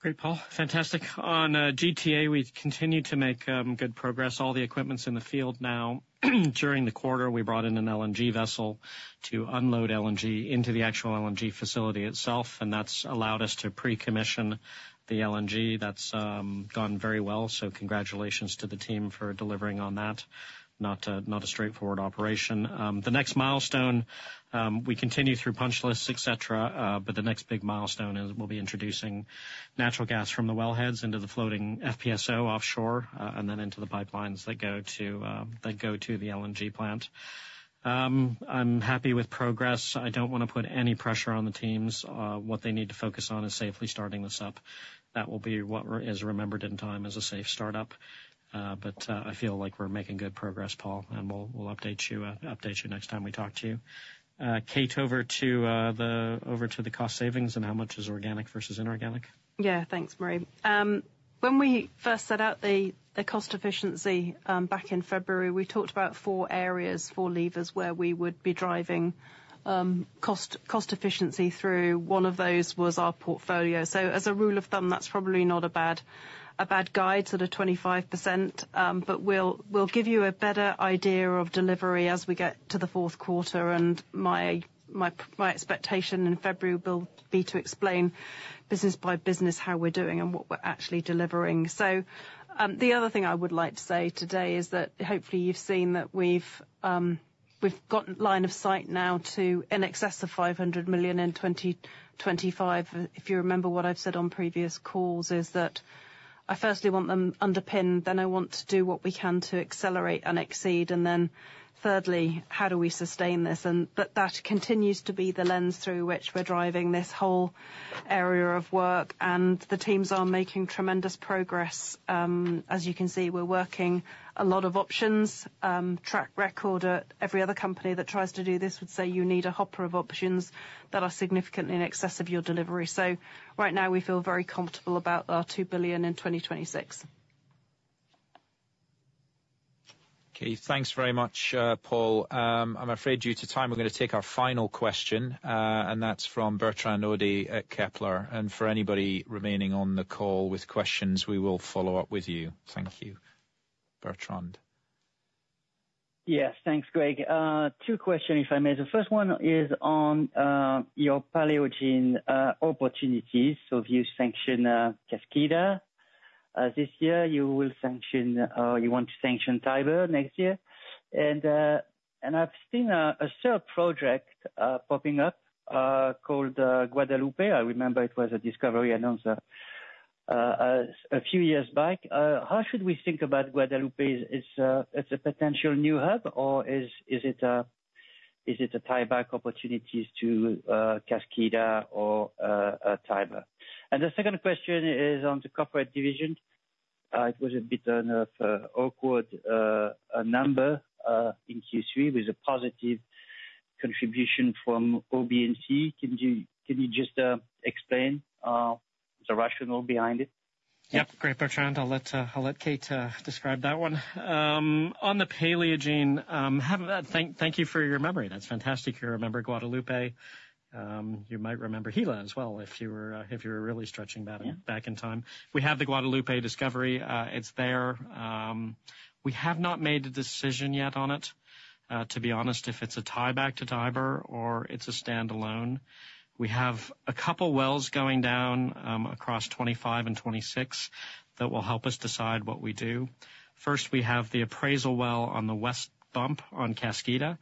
Great, Paul. Fantastic. On GTA, we've continued to make good progress. All the equipment's in the field now. During the quarter, we brought in an LNG vessel to unload LNG into the actual LNG facility itself. And that's allowed us to pre-commission the LNG. That's gone very well. So congratulations to the team for delivering on that. Not a straightforward operation. The next milestone, we continue through punch lists, etc. But the next big milestone is we'll be introducing natural gas from the wellheads into the floating FPSO offshore and then into the pipelines that go to the LNG plant. I'm happy with progress. I don't want to put any pressure on the teams. What they need to focus on is safely starting this up. That will be what is remembered in time as a safe startup. But I feel like we're making good progress, Paul. We'll update you next time we talk to you. Kate, over to the cost savings and how much is organic versus inorganic? Yeah. Thanks, Murray. When we first set out the cost efficiency back in February, we talked about four areas, four levers where we would be driving cost efficiency through. One of those was our portfolio. So as a rule of thumb, that's probably not a bad guide to the 25%. But we'll give you a better idea of delivery as we get to the fourth quarter, and my expectation in February will be to explain business by business how we're doing and what we're actually delivering, so the other thing I would like to say today is that hopefully you've seen that we've got line of sight now to an excess of $500 million in 2025. If you remember what I've said on previous calls, is that I firstly want them underpinned, then I want to do what we can to accelerate and exceed. And then thirdly, how do we sustain this? And that continues to be the lens through which we're driving this whole area of work. And the teams are making tremendous progress. As you can see, we're working a lot of options. Track record at every other company that tries to do this would say you need a hopper of options that are significantly in excess of your delivery. So right now, we feel very comfortable about our $2 billion in 2026. Okay. Thanks very much, Paul. I'm afraid due to time, we're going to take our final question. And that's from Bertrand Hodee at Kepler. And for anybody remaining on the call with questions, we will follow up with you. Thank you, Bertrand. Yes. Thanks, Creig. Two questions, if I may. The first one is on your Paleogene opportunities. So if you sanction Kaskida this year, you will sanction or you want to sanction Tiber next year. And I've seen a third project popping up called Guadalupe. I remember it was a discovery announcement a few years back. How should we think about Guadalupe? Is it a potential new hub, or is it a tieback opportunities to Kaskida or Tiber? And the second question is on the corporate division. It was a bit of an awkward number in Q3 with a positive contribution from OB&C. Can you just explain the rationale behind it? Yep. Great, Bertrand. I'll let Kate describe that one. On the Paleogene, thank you for your memory. That's fantastic you remember Guadalupe. You might remember Gila as well if you were really stretching back in time. We have the Guadalupe discovery. It's there. We have not made a decision yet on it. To be honest, if it's a tieback to Tiber or it's a standalone, we have a couple of wells going down across 2025 and 2026 that will help us decide what we do. First, we have the appraisal well on the West Bump on Kaskida.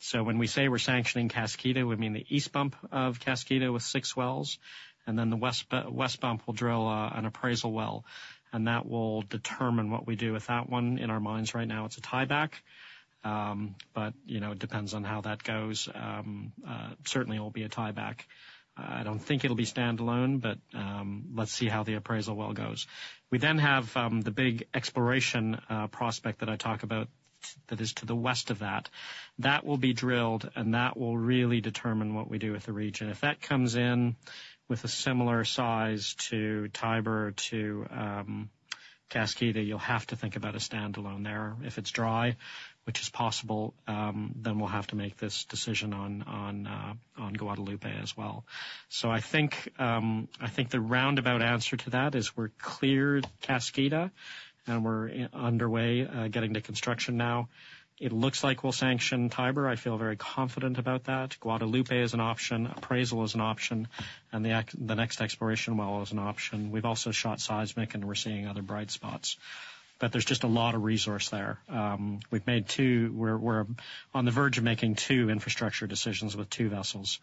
So when we say we're sanctioning Kaskida, we mean the East Bump of Kaskida with six wells. Then the West Bump will drill an appraisal well. That will determine what we do with that one. In our minds right now, it's a tieback. But it depends on how that goes. Certainly, it'll be a tieback. I don't think it'll be standalone, but let's see how the appraisal well goes. We then have the big exploration prospect that I talk about that is to the west of that. That will be drilled, and that will really determine what we do with the region. If that comes in with a similar size to Tiber to Kaskida, you'll have to think about a standalone there. If it's dry, which is possible, then we'll have to make this decision on Guadalupe as well. So I think the roundabout answer to that is we're clear Kaskida, and we're underway getting to construction now. It looks like we'll sanction Tiber. I feel very confident about that. Guadalupe is an option. Appraisal is an option. And the next exploration well is an option. We've also shot seismic, and we're seeing other bright spots. But there's just a lot of resource there. We're on the verge of making two infrastructure decisions with two vessels.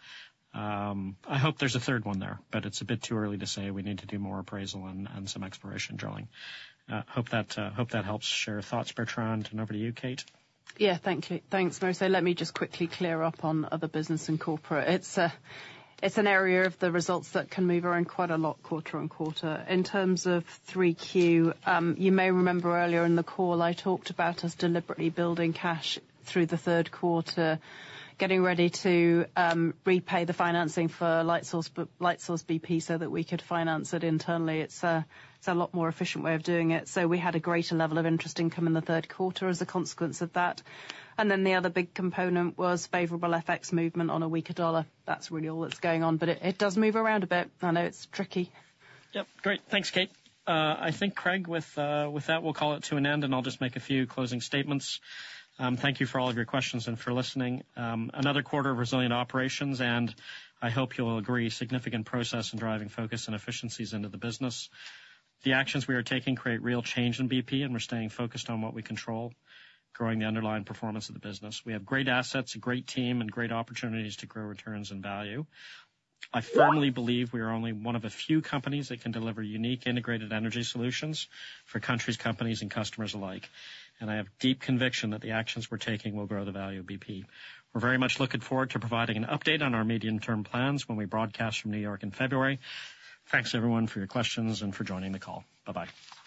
I hope there's a third one there, but it's a bit too early to say. We need to do more appraisal and some exploration drilling. Hope that helps. Share thoughts, Bertrand. And over to you, Kate. Yeah. Thank you. Thanks, Murray. Let me just quickly clear up on other business and corporate. It's an area of the results that can move around quite a lot quarter on quarter. In terms of 3Q, you may remember earlier in the call, I talked about us deliberately building cash through the third quarter, getting ready to repay the financing for Lightsource bp so that we could finance it internally. It's a lot more efficient way of doing it. So we had a greater level of interest income in the third quarter as a consequence of that. And then the other big component was favorable FX movement on a weaker dollar. That's really all that's going on. But it does move around a bit. I know it's tricky. Yep. Great. Thanks, Kate. I think, Craig, with that, we'll call it to an end, and I'll just make a few closing statements. Thank you for all of your questions and for listening. Another quarter of resilient operations, and I hope you'll agree significant progress and driving focus and efficiencies into the business. The actions we are taking create real change in BP, and we're staying focused on what we control, growing the underlying performance of the business. We have great assets, a great team, and great opportunities to grow returns and value. I firmly believe we are only one of a few companies that can deliver unique integrated energy solutions for countries, companies, and customers alike, and I have deep conviction that the actions we're taking will grow the value of BP. We're very much looking forward to providing an update on our medium-term plans when we broadcast from New York in February. Thanks, everyone, for your questions and for joining the call. Bye-bye.